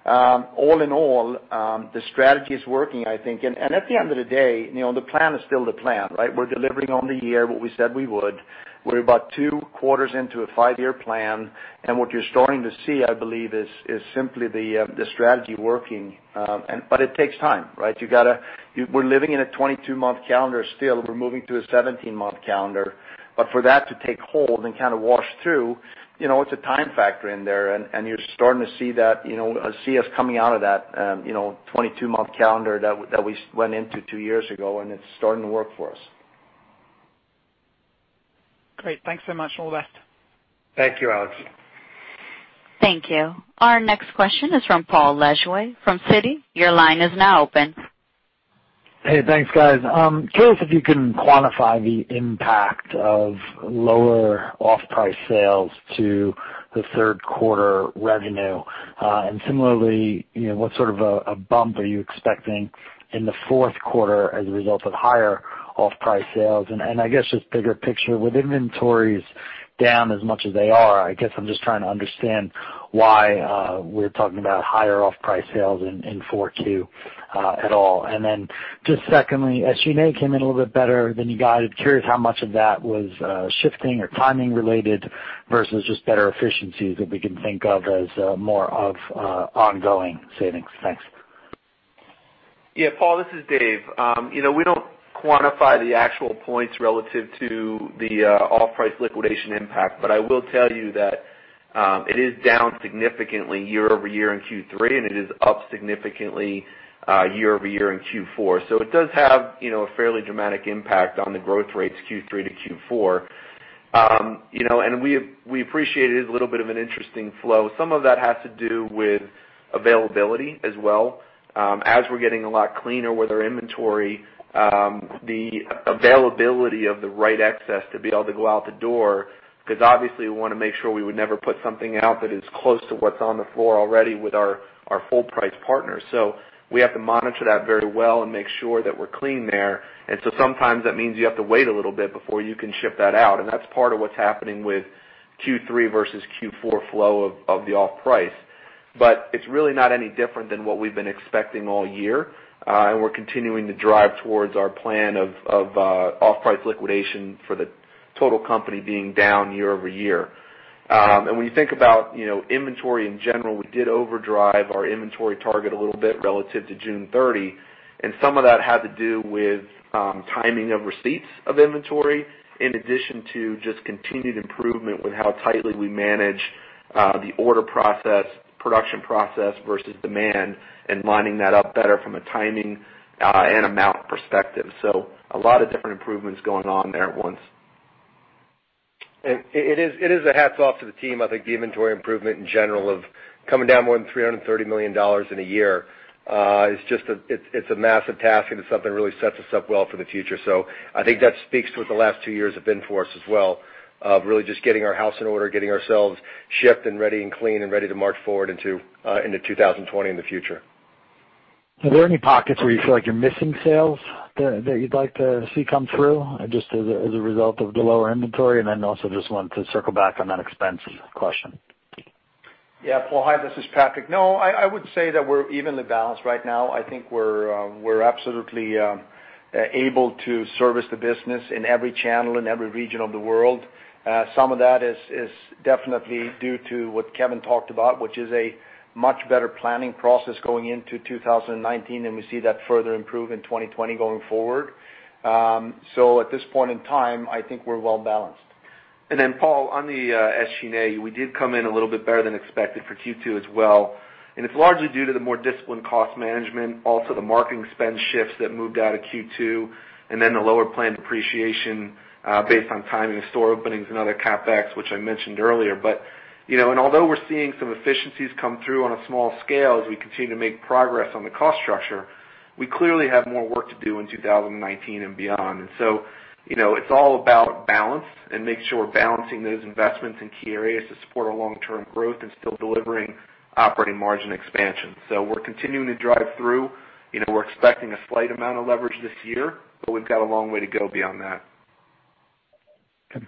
Speaker 4: All in all, the strategy is working, I think. At the end of the day, the plan is still the plan, right? We're delivering on the year what we said we would. We're about two quarters into a five-year plan. What you're starting to see, I believe, is simply the strategy working. It takes time, right? We're living in a 22-month calendar still. We're moving to a 17-month calendar. For that to take hold and kind of wash through, it's a time factor in there, and you're starting to see us coming out of that 22-month calendar that we went into two years ago, and it's starting to work for us.
Speaker 8: Great. Thanks so much. All the best.
Speaker 4: Thank you, Alex.
Speaker 1: Thank you. Our next question is from Paul Lejuez from Citi. Your line is now open.
Speaker 9: Hey, thanks, guys. I'm curious if you can quantify the impact of lower off-price sales to the third quarter revenue. Similarly, what sort of a bump are you expecting in the fourth quarter as a result of higher off-price sales? I guess, just bigger picture, with inventories down as much as they are, I guess I'm just trying to understand why we're talking about higher off-price sales in 4Q at all? Secondly, SG&A came in a little bit better than you guided. I'm curious how much of that was shifting or timing related versus just better efficiencies that we can think of as more of ongoing savings? Thanks.
Speaker 5: Yeah. Paul, this is Dave. We don't quantify the actual points relative to the off-price liquidation impact. I will tell you that it is down significantly year-over-year in Q3, and it is up significantly year-over-year in Q4. It does have a fairly dramatic impact on the growth rates Q3 to Q4. We appreciated a little bit of an interesting flow. Some of that has to do with availability as well. We're getting a lot cleaner with our inventory, the availability of the right excess to be able to go out the door, because obviously we want to make sure we would never put something out that is close to what's on the floor already with our full-price partners. We have to monitor that very well and make sure that we're clean there. Sometimes that means you have to wait a little bit before you can ship that out, and that's part of what's happening with Q3 versus Q4 flow of the off-price. It's really not any different than what we've been expecting all year. We're continuing to drive towards our plan of off-price liquidation for the total company being down year-over-year. When you think about inventory in general, we did overdrive our inventory target a little bit relative to June 30. Some of that had to do with timing of receipts of inventory, in addition to just continued improvement with how tightly we manage the order process, production process versus demand, and lining that up better from a timing and amount perspective. A lot of different improvements going on there at once.
Speaker 4: It is a hats off to the team. I think the inventory improvement in general of coming down more than $330 million in a year, it's a massive task and it's something that really sets us up well for the future. I think that speaks to what the last two years have been for us as well, of really just getting our house in order, getting ourselves shaped and ready and clean and ready to march forward into 2020 in the future.
Speaker 9: Are there any pockets where you feel like you're missing sales that you'd like to see come through just as a result of the lower inventory? Also, just wanted to circle back on that expense question.
Speaker 4: Yeah. Paul, hi, this is Patrik. No, I would say that we're evenly balanced right now. I think we're absolutely able to service the business in every channel, in every region of the world. Some of that is definitely due to what Kevin talked about, which is a much better planning process going into 2019. We see that further improve in 2020 going forward. At this point in time, I think we're well-balanced.
Speaker 5: Then Paul, on the SG&A, we did come in a little bit better than expected for Q2 as well, and it's largely due to the more disciplined cost management, also the marketing spend shifts that moved out of Q2, and then the lower planned depreciation based on timing of store openings and other CapEx, which I mentioned earlier. Although we're seeing some efficiencies come through on a small scale as we continue to make progress on the cost structure, we clearly have more work to do in 2019 and beyond. So it's all about balance and making sure we're balancing those investments in key areas to support our long-term growth and still delivering operating margin expansion. We're continuing to drive through. We're expecting a slight amount of leverage this year, but we've got a long way to go beyond that.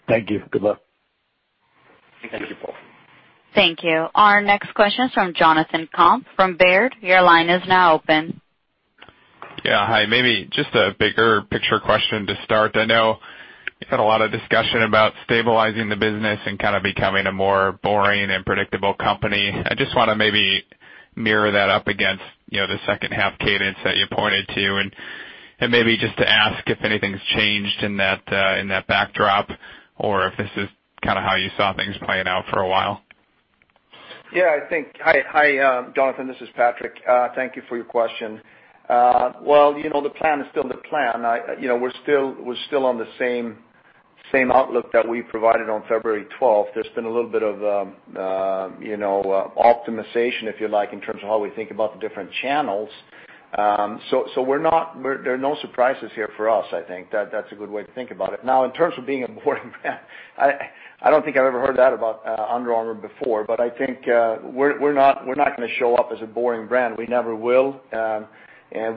Speaker 9: Thank you. Good luck.
Speaker 4: Thank you, Paul.
Speaker 1: Thank you. Our next question is from Jonathan Komp from Baird. Your line is now open.
Speaker 10: Yeah. Hi. Maybe just a bigger picture question to start. I know you've had a lot of discussion about stabilizing the business and kind of becoming a more boring and predictable company. I just want to maybe mirror that up against the second half cadence that you pointed to, and maybe just to ask if anything's changed in that backdrop or if this is kind of how you saw things playing out for a while.
Speaker 4: I think. Hi, Jonathan. This is Patrik. Thank you for your question. Well, the plan is still the plan. We're still on the same outlook that we provided on February 12th. There's been a little bit of optimization, if you like, in terms of how we think about the different channels. There are no surprises here for us, I think. That's a good way to think about it. In terms of being a boring brand, I don't think I've ever heard that about Under Armour before, but I think we're not going to show up as a boring brand. We never will.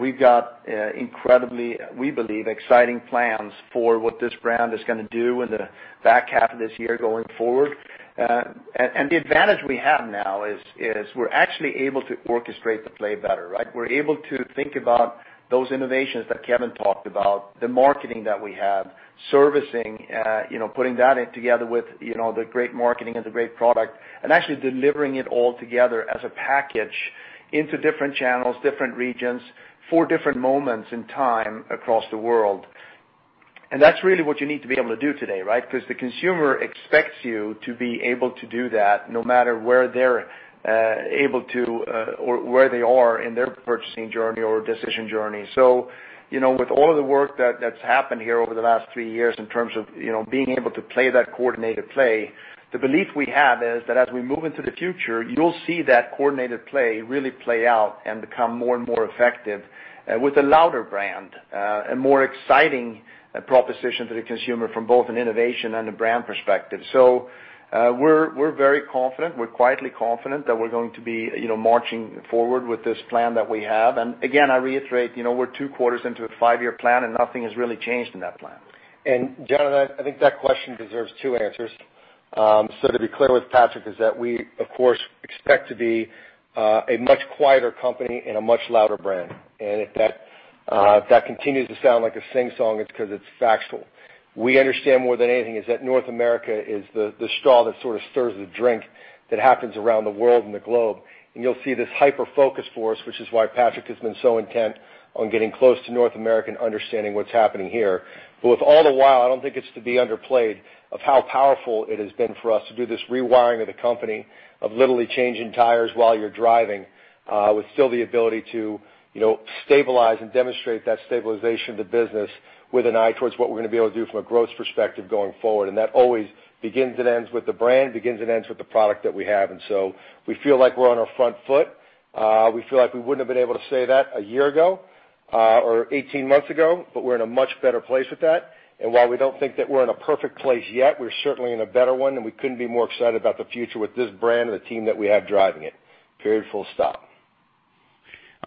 Speaker 4: We've got incredibly, we believe, exciting plans for what this brand is going to do in the back half of this year going forward. The advantage we have now is, we're actually able to orchestrate the play better, right? We're able to think about those innovations that Kevin talked about, the marketing that we have, servicing, putting that in together with the great marketing and the great product and actually delivering it all together as a package into different channels, different regions for different moments in time across the world. That's really what you need to be able to do today, right? Because the consumer expects you to be able to do that no matter where they're able to or where they are in their purchasing journey or decision journey. With all of the work that's happened here over the last three years in terms of being able to play that coordinated play, the belief we have is that as we move into the future, you'll see that coordinated play really play out and become more and more effective with a louder brand, a more exciting proposition to the consumer from both an innovation and a brand perspective. We're very confident. We're quietly confident that we're going to be marching forward with this plan that we have. Again, I reiterate, we're two quarters into a five-year plan, and nothing has really changed in that plan.
Speaker 3: Jonathan, I think that question deserves two answers. To be clear with Patrik is that we, of course, expect to be a much quieter company and a much louder brand. If that continues to sound like a sing song, it's because it's factual. We understand more than anything is that North America is the straw that sort of stirs the drink that happens around the world and the globe. You'll see this hyper-focus for us, which is why Patrik has been so intent on getting close to North America and understanding what's happening here. With all the while, I don't think it's to be underplayed of how powerful it has been for us to do this rewiring of the company, of literally changing tires while you're driving, with still the ability to stabilize and demonstrate that stabilization of the business with an eye towards what we're going to be able to do from a growth perspective going forward. That always begins and ends with the brand, begins and ends with the product that we have. We feel like we're on our front foot. We feel like we wouldn't have been able to say that a year ago, or 18 months ago, but we're in a much better place with that. While we don't think that we're in a perfect place yet, we're certainly in a better one, and we couldn't be more excited about the future with this brand and the team that we have driving it. Period. Full stop.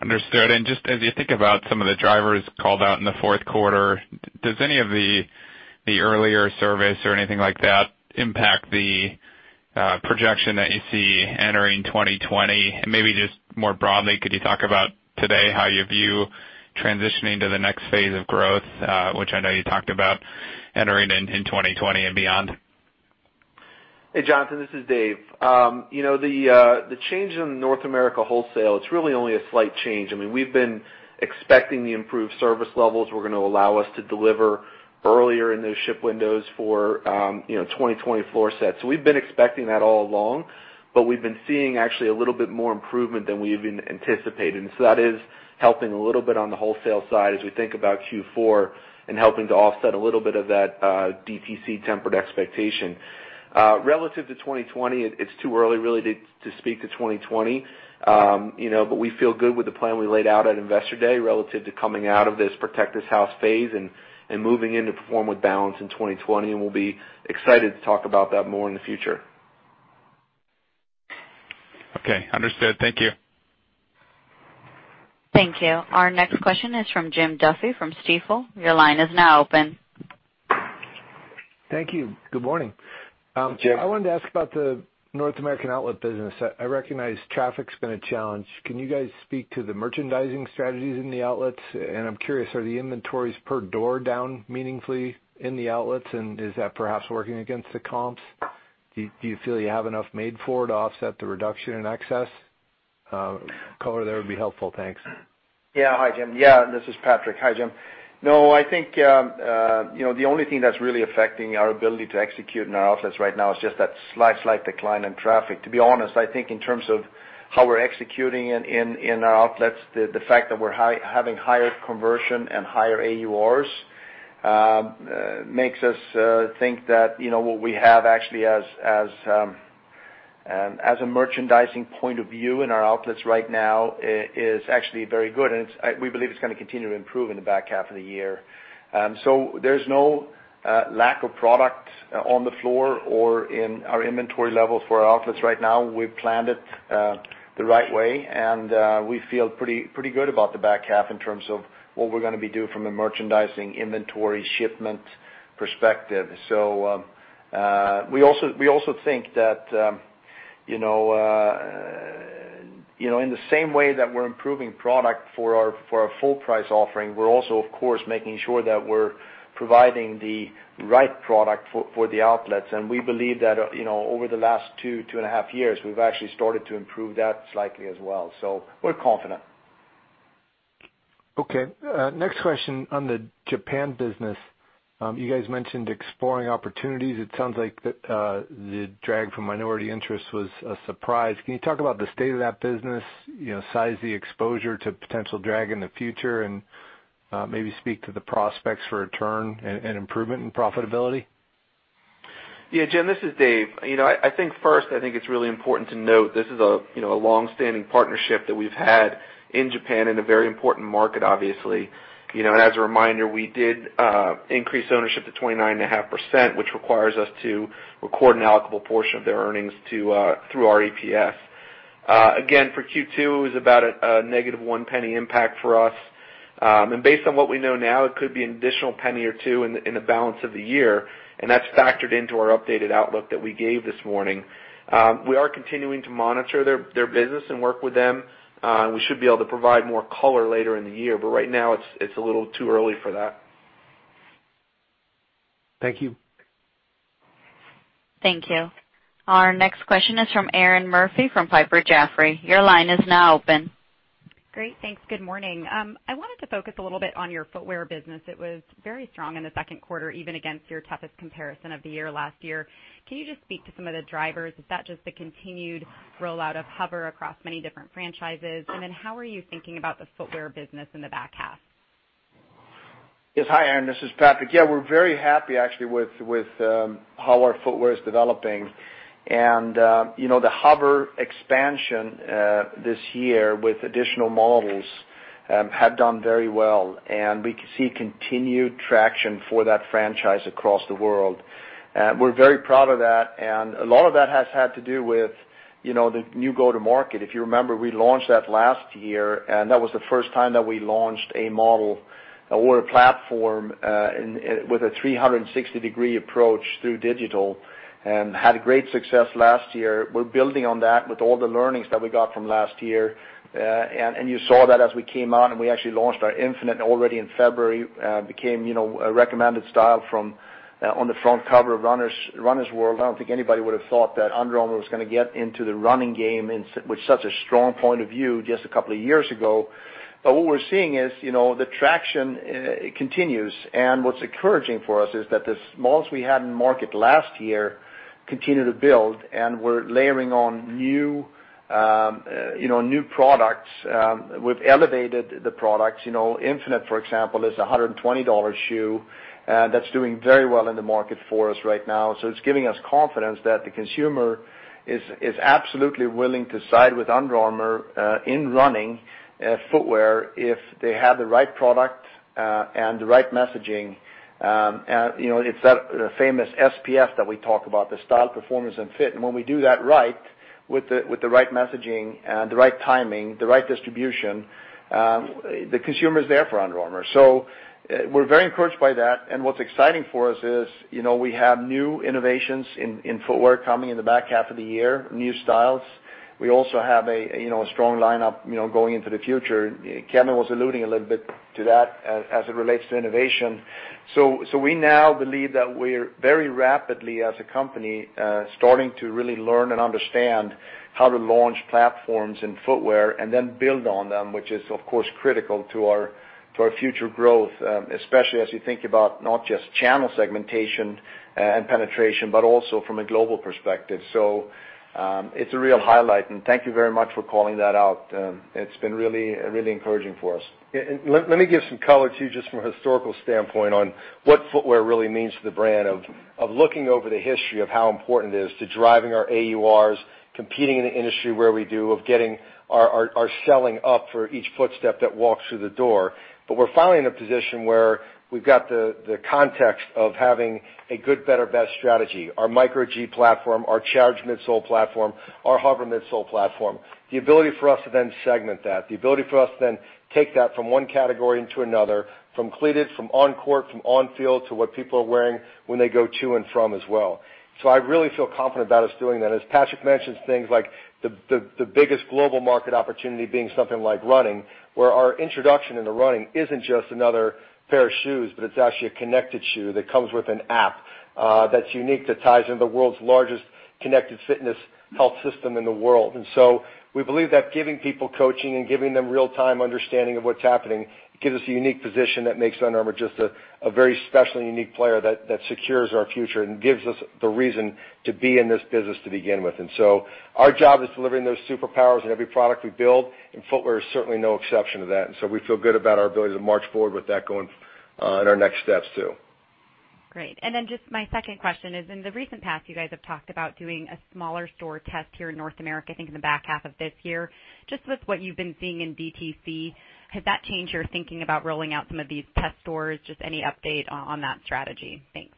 Speaker 10: Understood. Just as you think about some of the drivers called out in the fourth quarter, does any of the earlier surveys or anything like that impact the projection that you see entering 2020? Maybe just more broadly, could you talk about today how you view transitioning to the next phase of growth, which I know you talked about entering in 2020 and beyond?
Speaker 5: Hey, Jonathan, this is Dave. The change in North America wholesale, it's really only a slight change. I mean, we've been expecting the improved service levels were going to allow us to deliver earlier in those ship windows for 2020 sets. We've been expecting that all along. We've been seeing actually a little bit more improvement than we even anticipated. That is helping a little bit on the wholesale side as we think about Q4 and helping to offset a little bit of that DTC tempered expectation. Relative to 2020, it's too early really to speak to 2020. We feel good with the plan we laid out at Investor Day relative to coming out of this Protect This House phase and moving into Perform with Balance in 2020. We'll be excited to talk about that more in the future.
Speaker 10: Okay, understood. Thank you.
Speaker 1: Thank you. Our next question is from Jim Duffy from Stifel. Your line is now open.
Speaker 11: Thank you. Good morning.
Speaker 3: Jim.
Speaker 11: I wanted to ask about the North American outlet business. I recognize traffic's been a challenge. Can you guys speak to the merchandising strategies in the outlets? I'm curious, are the inventories per door down meaningfully in the outlets, and is that perhaps working against the comps? Do you feel you have enough made-for to offset the reduction in excess? Color there would be helpful. Thanks.
Speaker 4: Yeah. Hi, Jim. Yeah, this is Patrik. Hi, Jim. No, I think the only thing that's really affecting our ability to execute in our outlets right now is just that slight decline in traffic. To be honest, I think in terms of how we're executing in our outlets, the fact that we're having higher conversion and higher AURs makes us think that what we have actually as a merchandising point of view in our outlets right now is actually very good, and we believe it's going to continue to improve in the back half of the year. There's no lack of product on the floor or in our inventory levels for our outlets right now. We've planned it the right way, and we feel pretty good about the back half in terms of what we're going to be doing from a merchandising inventory shipment perspective. We also think that in the same way that we're improving product for our full price offering, we're also, of course, making sure that we're providing the right product for the outlets. We believe that over the last two and a half years, we've actually started to improve that slightly as well. We're confident.
Speaker 11: Okay. Next question on the Japan business. You guys mentioned exploring opportunities. It sounds like the drag from minority interest was a surprise. Can you talk about the state of that business, size of the exposure to potential drag in the future, and maybe speak to the prospects for return and improvement in profitability?
Speaker 5: Yeah, Jim, this is Dave. I think first, I think it's really important to note this is a long-standing partnership that we've had in Japan, in a very important market, obviously. As a reminder, we did increase ownership to 29.5%, which requires us to record an allocable portion of their earnings through our EPS. Again, for Q2, it was about a -$0.01 impact for us. Based on what we know now, it could be an additional $0.01 or $0.02 in the balance of the year, and that's factored into our updated outlook that we gave this morning. We are continuing to monitor their business and work with them. We should be able to provide more color later in the year, but right now it's a little too early for that.
Speaker 11: Thank you.
Speaker 1: Thank you. Our next question is from Erinn Murphy from Piper Jaffray. Your line is now open.
Speaker 12: Great. Thanks. Good morning. I wanted to focus a little bit on your footwear business. It was very strong in the second quarter, even against your toughest comparison of the year last year. Can you just speak to some of the drivers? Is that just the continued rollout of HOVR across many different franchises? How are you thinking about the footwear business in the back half?
Speaker 4: Yes. Hi, Erinn. This is Patrik. Yeah, we're very happy actually with how our footwear is developing. The HOVR expansion this year with additional models have done very well, and we see continued traction for that franchise across the world. We're very proud of that, and a lot of that has had to do with the new go-to-market. If you remember, we launched that last year, and that was the first time that we launched a model or a platform with a 360-degree approach through digital and had great success last year. We're building on that with all the learnings that we got from last year. You saw that as we came out and we actually launched our Infinite already in February, became a recommended style on the front cover of Runner's World. I don't think anybody would have thought that Under Armour was going to get into the running game with such a strong point of view just a couple of years ago. What we're seeing is the traction continues, and what's encouraging for us is that the [smallest] we had in market last year continued to build, and we're layering on new products. We've elevated the products. Infinite, for example, is a $120 shoe that's doing very well in the market for us right now. It's giving us confidence that the consumer is absolutely willing to side with Under Armour in running footwear if they have the right product and the right messaging. It's that famous SPF that we talk about, the style, performance and fit. When we do that right with the right messaging and the right timing, the right distribution, the consumer is there for Under Armour. We're very encouraged by that, and what's exciting for us is we have new innovations in footwear coming in the back half of the year, new styles. We also have a strong lineup going into the future. Kevin was alluding a little bit to that as it relates to innovation. We now believe that we're very rapidly as a company starting to really learn and understand how to launch platforms in footwear and then build on them, which is of course, critical to our future growth, especially as you think about not just channel segmentation and penetration, but also from a global perspective. It's a real highlight, and thank you very much for calling that out. It's been really encouraging for us.
Speaker 3: Let me give some color to you just from a historical standpoint on what footwear really means to the brand of looking over the history of how important it is to driving our AURs, competing in the industry where we do of getting our selling up for each footstep that walks through the door. We're finally in a position where we've got the context of having a good, better, best strategy, our Micro G platform, our Charged midsole platform, our HOVR midsole platform. The ability for us to then segment that, the ability for us to then take that from one category into another, from cleated, from on court, from on field, to what people are wearing when they go to and from as well. I really feel confident about us doing that. As Patrik mentions things like the biggest global market opportunity being something like running, where our introduction into running isn't just another pair of shoes, but it's actually a connected shoe that comes with an app that's unique, that ties into the world's largest Connected Fitness health system in the world. We believe that giving people coaching and giving them real-time understanding of what's happening gives us a unique position that makes Under Armour just a very special and unique player that secures our future and gives us the reason to be in this business to begin with. Our job is delivering those superpowers in every product we build, and footwear is certainly no exception to that. We feel good about our ability to march forward with that going on in our next steps, too.
Speaker 12: Great. Then just my second question is, in the recent past, you guys have talked about doing a smaller store test here in North America, I think in the back half of this year. Just with what you've been seeing in DTC, has that changed your thinking about rolling out some of these test stores? Just any update on that strategy. Thanks.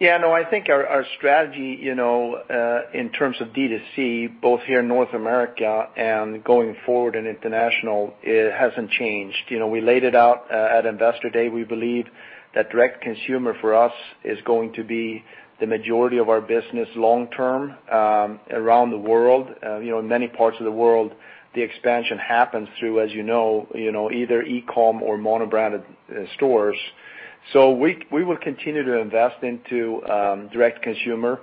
Speaker 4: Yeah, no, I think our strategy in terms of DTC, both here in North America and going forward in international, it hasn't changed. We laid it out at Investor Day. We believe that direct consumer for us is going to be the majority of our business long term around the world. In many parts of the world, the expansion happens through, as you know, either e-com or mono-branded stores. We will continue to invest into direct-to-consumer.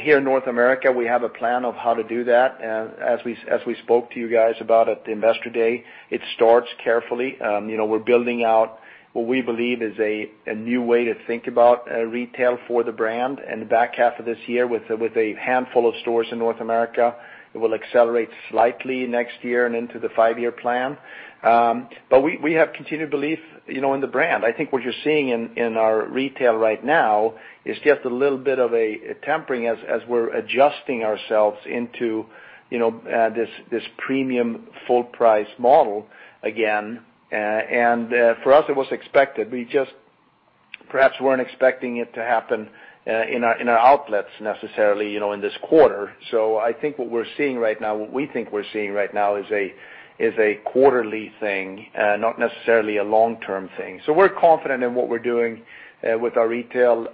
Speaker 4: Here in North America, we have a plan of how to do that. As we spoke to you guys about at the Investor Day, it starts carefully. We're building out what we believe is a new way to think about retail for the brand in the back half of this year with a handful of stores in North America. It will accelerate slightly next year and into the five-year plan. We have continued belief in the brand. I think what you're seeing in our retail right now is just a little bit of a tempering as we're adjusting ourselves into this premium full-price model again. For us, it was expected. We just perhaps weren't expecting it to happen in our outlets necessarily in this quarter. I think what we're seeing right now, what we think we're seeing right now is a quarterly thing, not necessarily a long-term thing. We're confident in what we're doing with our retail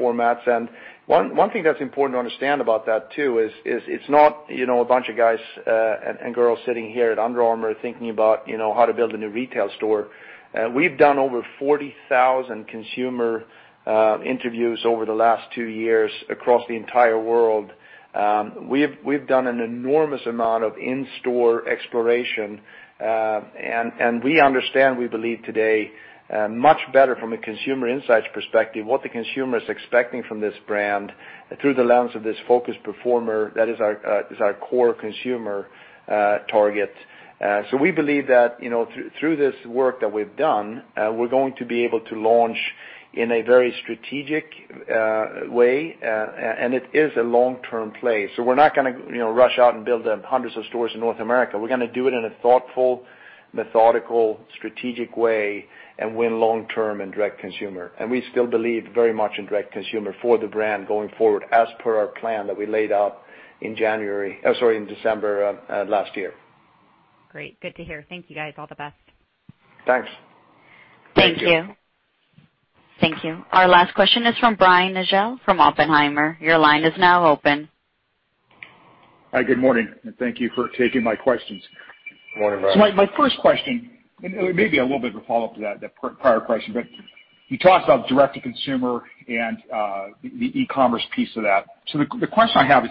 Speaker 4: formats. One thing that's important to understand about that too is it's not a bunch of guys and girls sitting here at Under Armour thinking about how to build a new retail store. We've done over 40,000 consumer interviews over the last two years across the entire world. We've done an enormous amount of in-store exploration. We understand, we believe today, much better from a consumer insights perspective, what the consumer is expecting from this brand through the lens of this Focused Performer that is our core consumer target. We believe that through this work that we've done, we're going to be able to launch in a very strategic way, and it is a long-term play. We're not gonna rush out and build hundreds of stores in North America. We're gonna do it in a thoughtful, methodical, strategic way and win long term in direct-to-consumer. We still believe very much in direct-to-consumer for the brand going forward as per our plan that we laid out in December of last year.
Speaker 12: Great. Good to hear. Thank you, guys. All the best.
Speaker 4: Thanks.
Speaker 12: Thank you.
Speaker 1: Thank you. Thank you. Our last question is from Brian Nagel from Oppenheimer. Your line is now open.
Speaker 13: Hi, good morning, and thank you for taking my questions.
Speaker 3: Good morning, Brian.
Speaker 13: My first question, and it may be a little bit of a follow-up to that prior question, but you talked about direct-to-consumer and the e-commerce piece of that. The question I have is,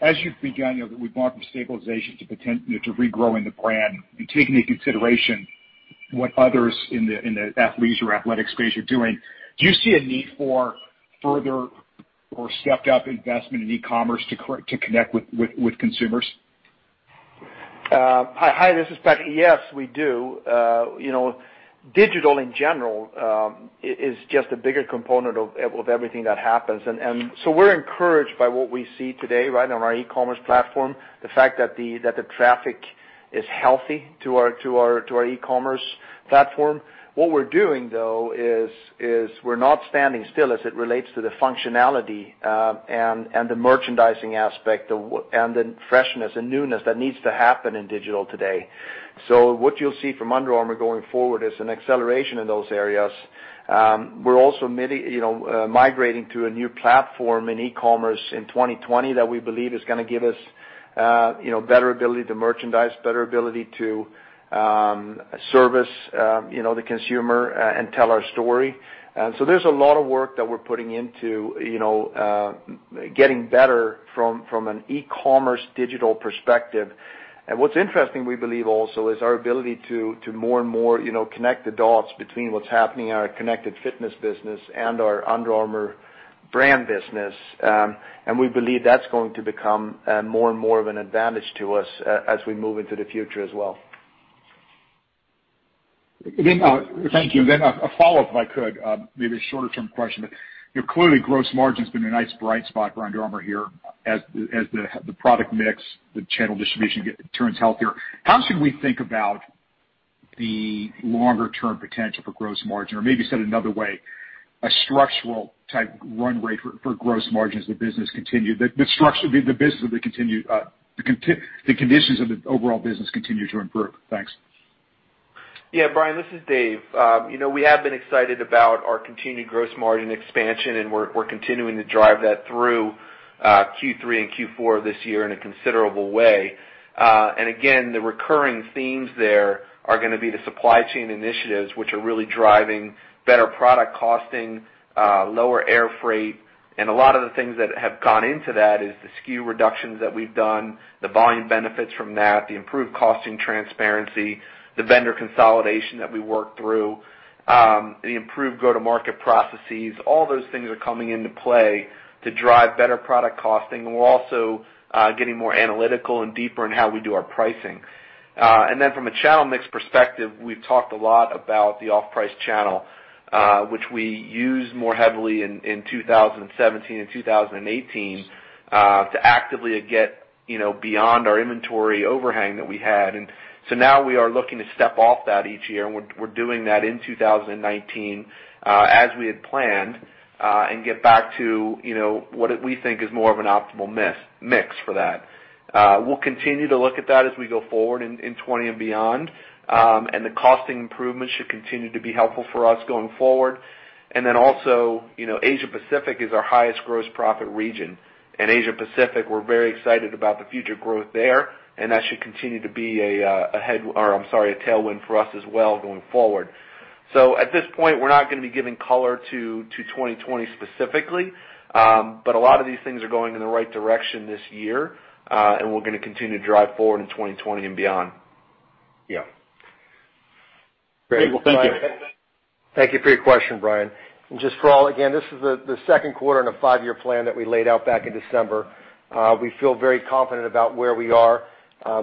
Speaker 13: as you've begun, that we've gone from stabilization to regrowing the brand and taking into consideration what others in the athletes or athletic space are doing, do you see a need for further or stepped-up investment in e-commerce to connect with consumers?
Speaker 4: Hi, this is Pat. Yes, we do. Digital in general is just a bigger component of everything that happens. We're encouraged by what we see today right on our e-commerce platform, the fact that the traffic is healthy to our e-commerce platform. What we're doing, though, is we're not standing still as it relates to the functionality and the merchandising aspect and the freshness and newness that needs to happen in digital today. What you'll see from Under Armour going forward is an acceleration in those areas. We're also migrating to a new platform in e-commerce in 2020 that we believe is gonna give us better ability to merchandise, better ability to service the consumer and tell our story. There's a lot of work that we're putting into getting better from an e-commerce digital perspective. What's interesting, we believe also, is our ability to more and more connect the dots between what's happening in our Connected Fitness business and our Under Armour brand business. We believe that's going to become more and more of an advantage to us as we move into the future as well.
Speaker 13: Thank you. A follow-up, if I could, maybe a shorter-term question, but clearly gross margin's been a nice bright spot for Under Armour here as the product mix, the channel distribution turns healthier. How should we think about the longer-term potential for gross margin? Maybe said another way, a structural type run rate for gross margin as the conditions of the overall business continue to improve? Thanks.
Speaker 5: Yeah, Brian, this is Dave. We have been excited about our continued gross margin expansion. We're continuing to drive that through Q3 and Q4 this year in a considerable way. Again, the recurring themes there are gonna be the supply chain initiatives, which are really driving better product costing, lower air freight. A lot of the things that have gone into that is the SKU reductions that we've done, the volume benefits from that, the improved costing transparency, the vendor consolidation that we worked through, the improved go-to-market processes. All those things are coming into play to drive better product costing. We're also getting more analytical and deeper in how we do our pricing. From a channel mix perspective, we've talked a lot about the off-price channel, which we used more heavily in 2017 and 2018 to actively get beyond our inventory overhang that we had. Now we are looking to step off that each year, and we're doing that in 2019 as we had planned, and get back to what we think is more of an optimal mix for that. We'll continue to look at that as we go forward in 2020 and beyond. The costing improvements should continue to be helpful for us going forward. Also, Asia Pacific is our highest gross profit region. In Asia Pacific, we're very excited about the future growth there, and that should continue to be a head, or I'm sorry, a tailwind for us as well going forward. At this point, we're not going to be giving color to 2020 specifically, but a lot of these things are going in the right direction this year, and we're going to continue to drive forward in 2020 and beyond. Yeah.
Speaker 13: Great. Well, thank you.
Speaker 3: Thank you for your question, Brian. Just for all, again, this is the second quarter in a five-year plan that we laid out back in December. We feel very confident about where we are.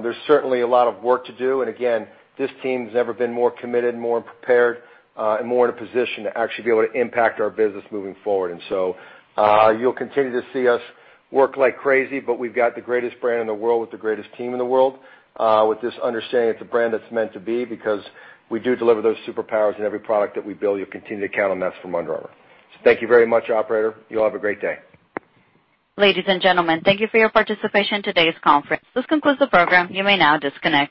Speaker 3: There's certainly a lot of work to do. Again, this team's never been more committed, more prepared, and more in a position to actually be able to impact our business moving forward. You'll continue to see us work like crazy, but we've got the greatest brand in the world with the greatest team in the world with this understanding it's a brand that's meant to be because we do deliver those superpowers in every product that we build. You'll continue to count on that from Under Armour. Thank you very much, operator. You all have a great day.
Speaker 1: Ladies and gentlemen, thank you for your participation in today's conference. This concludes the program. You may now disconnect.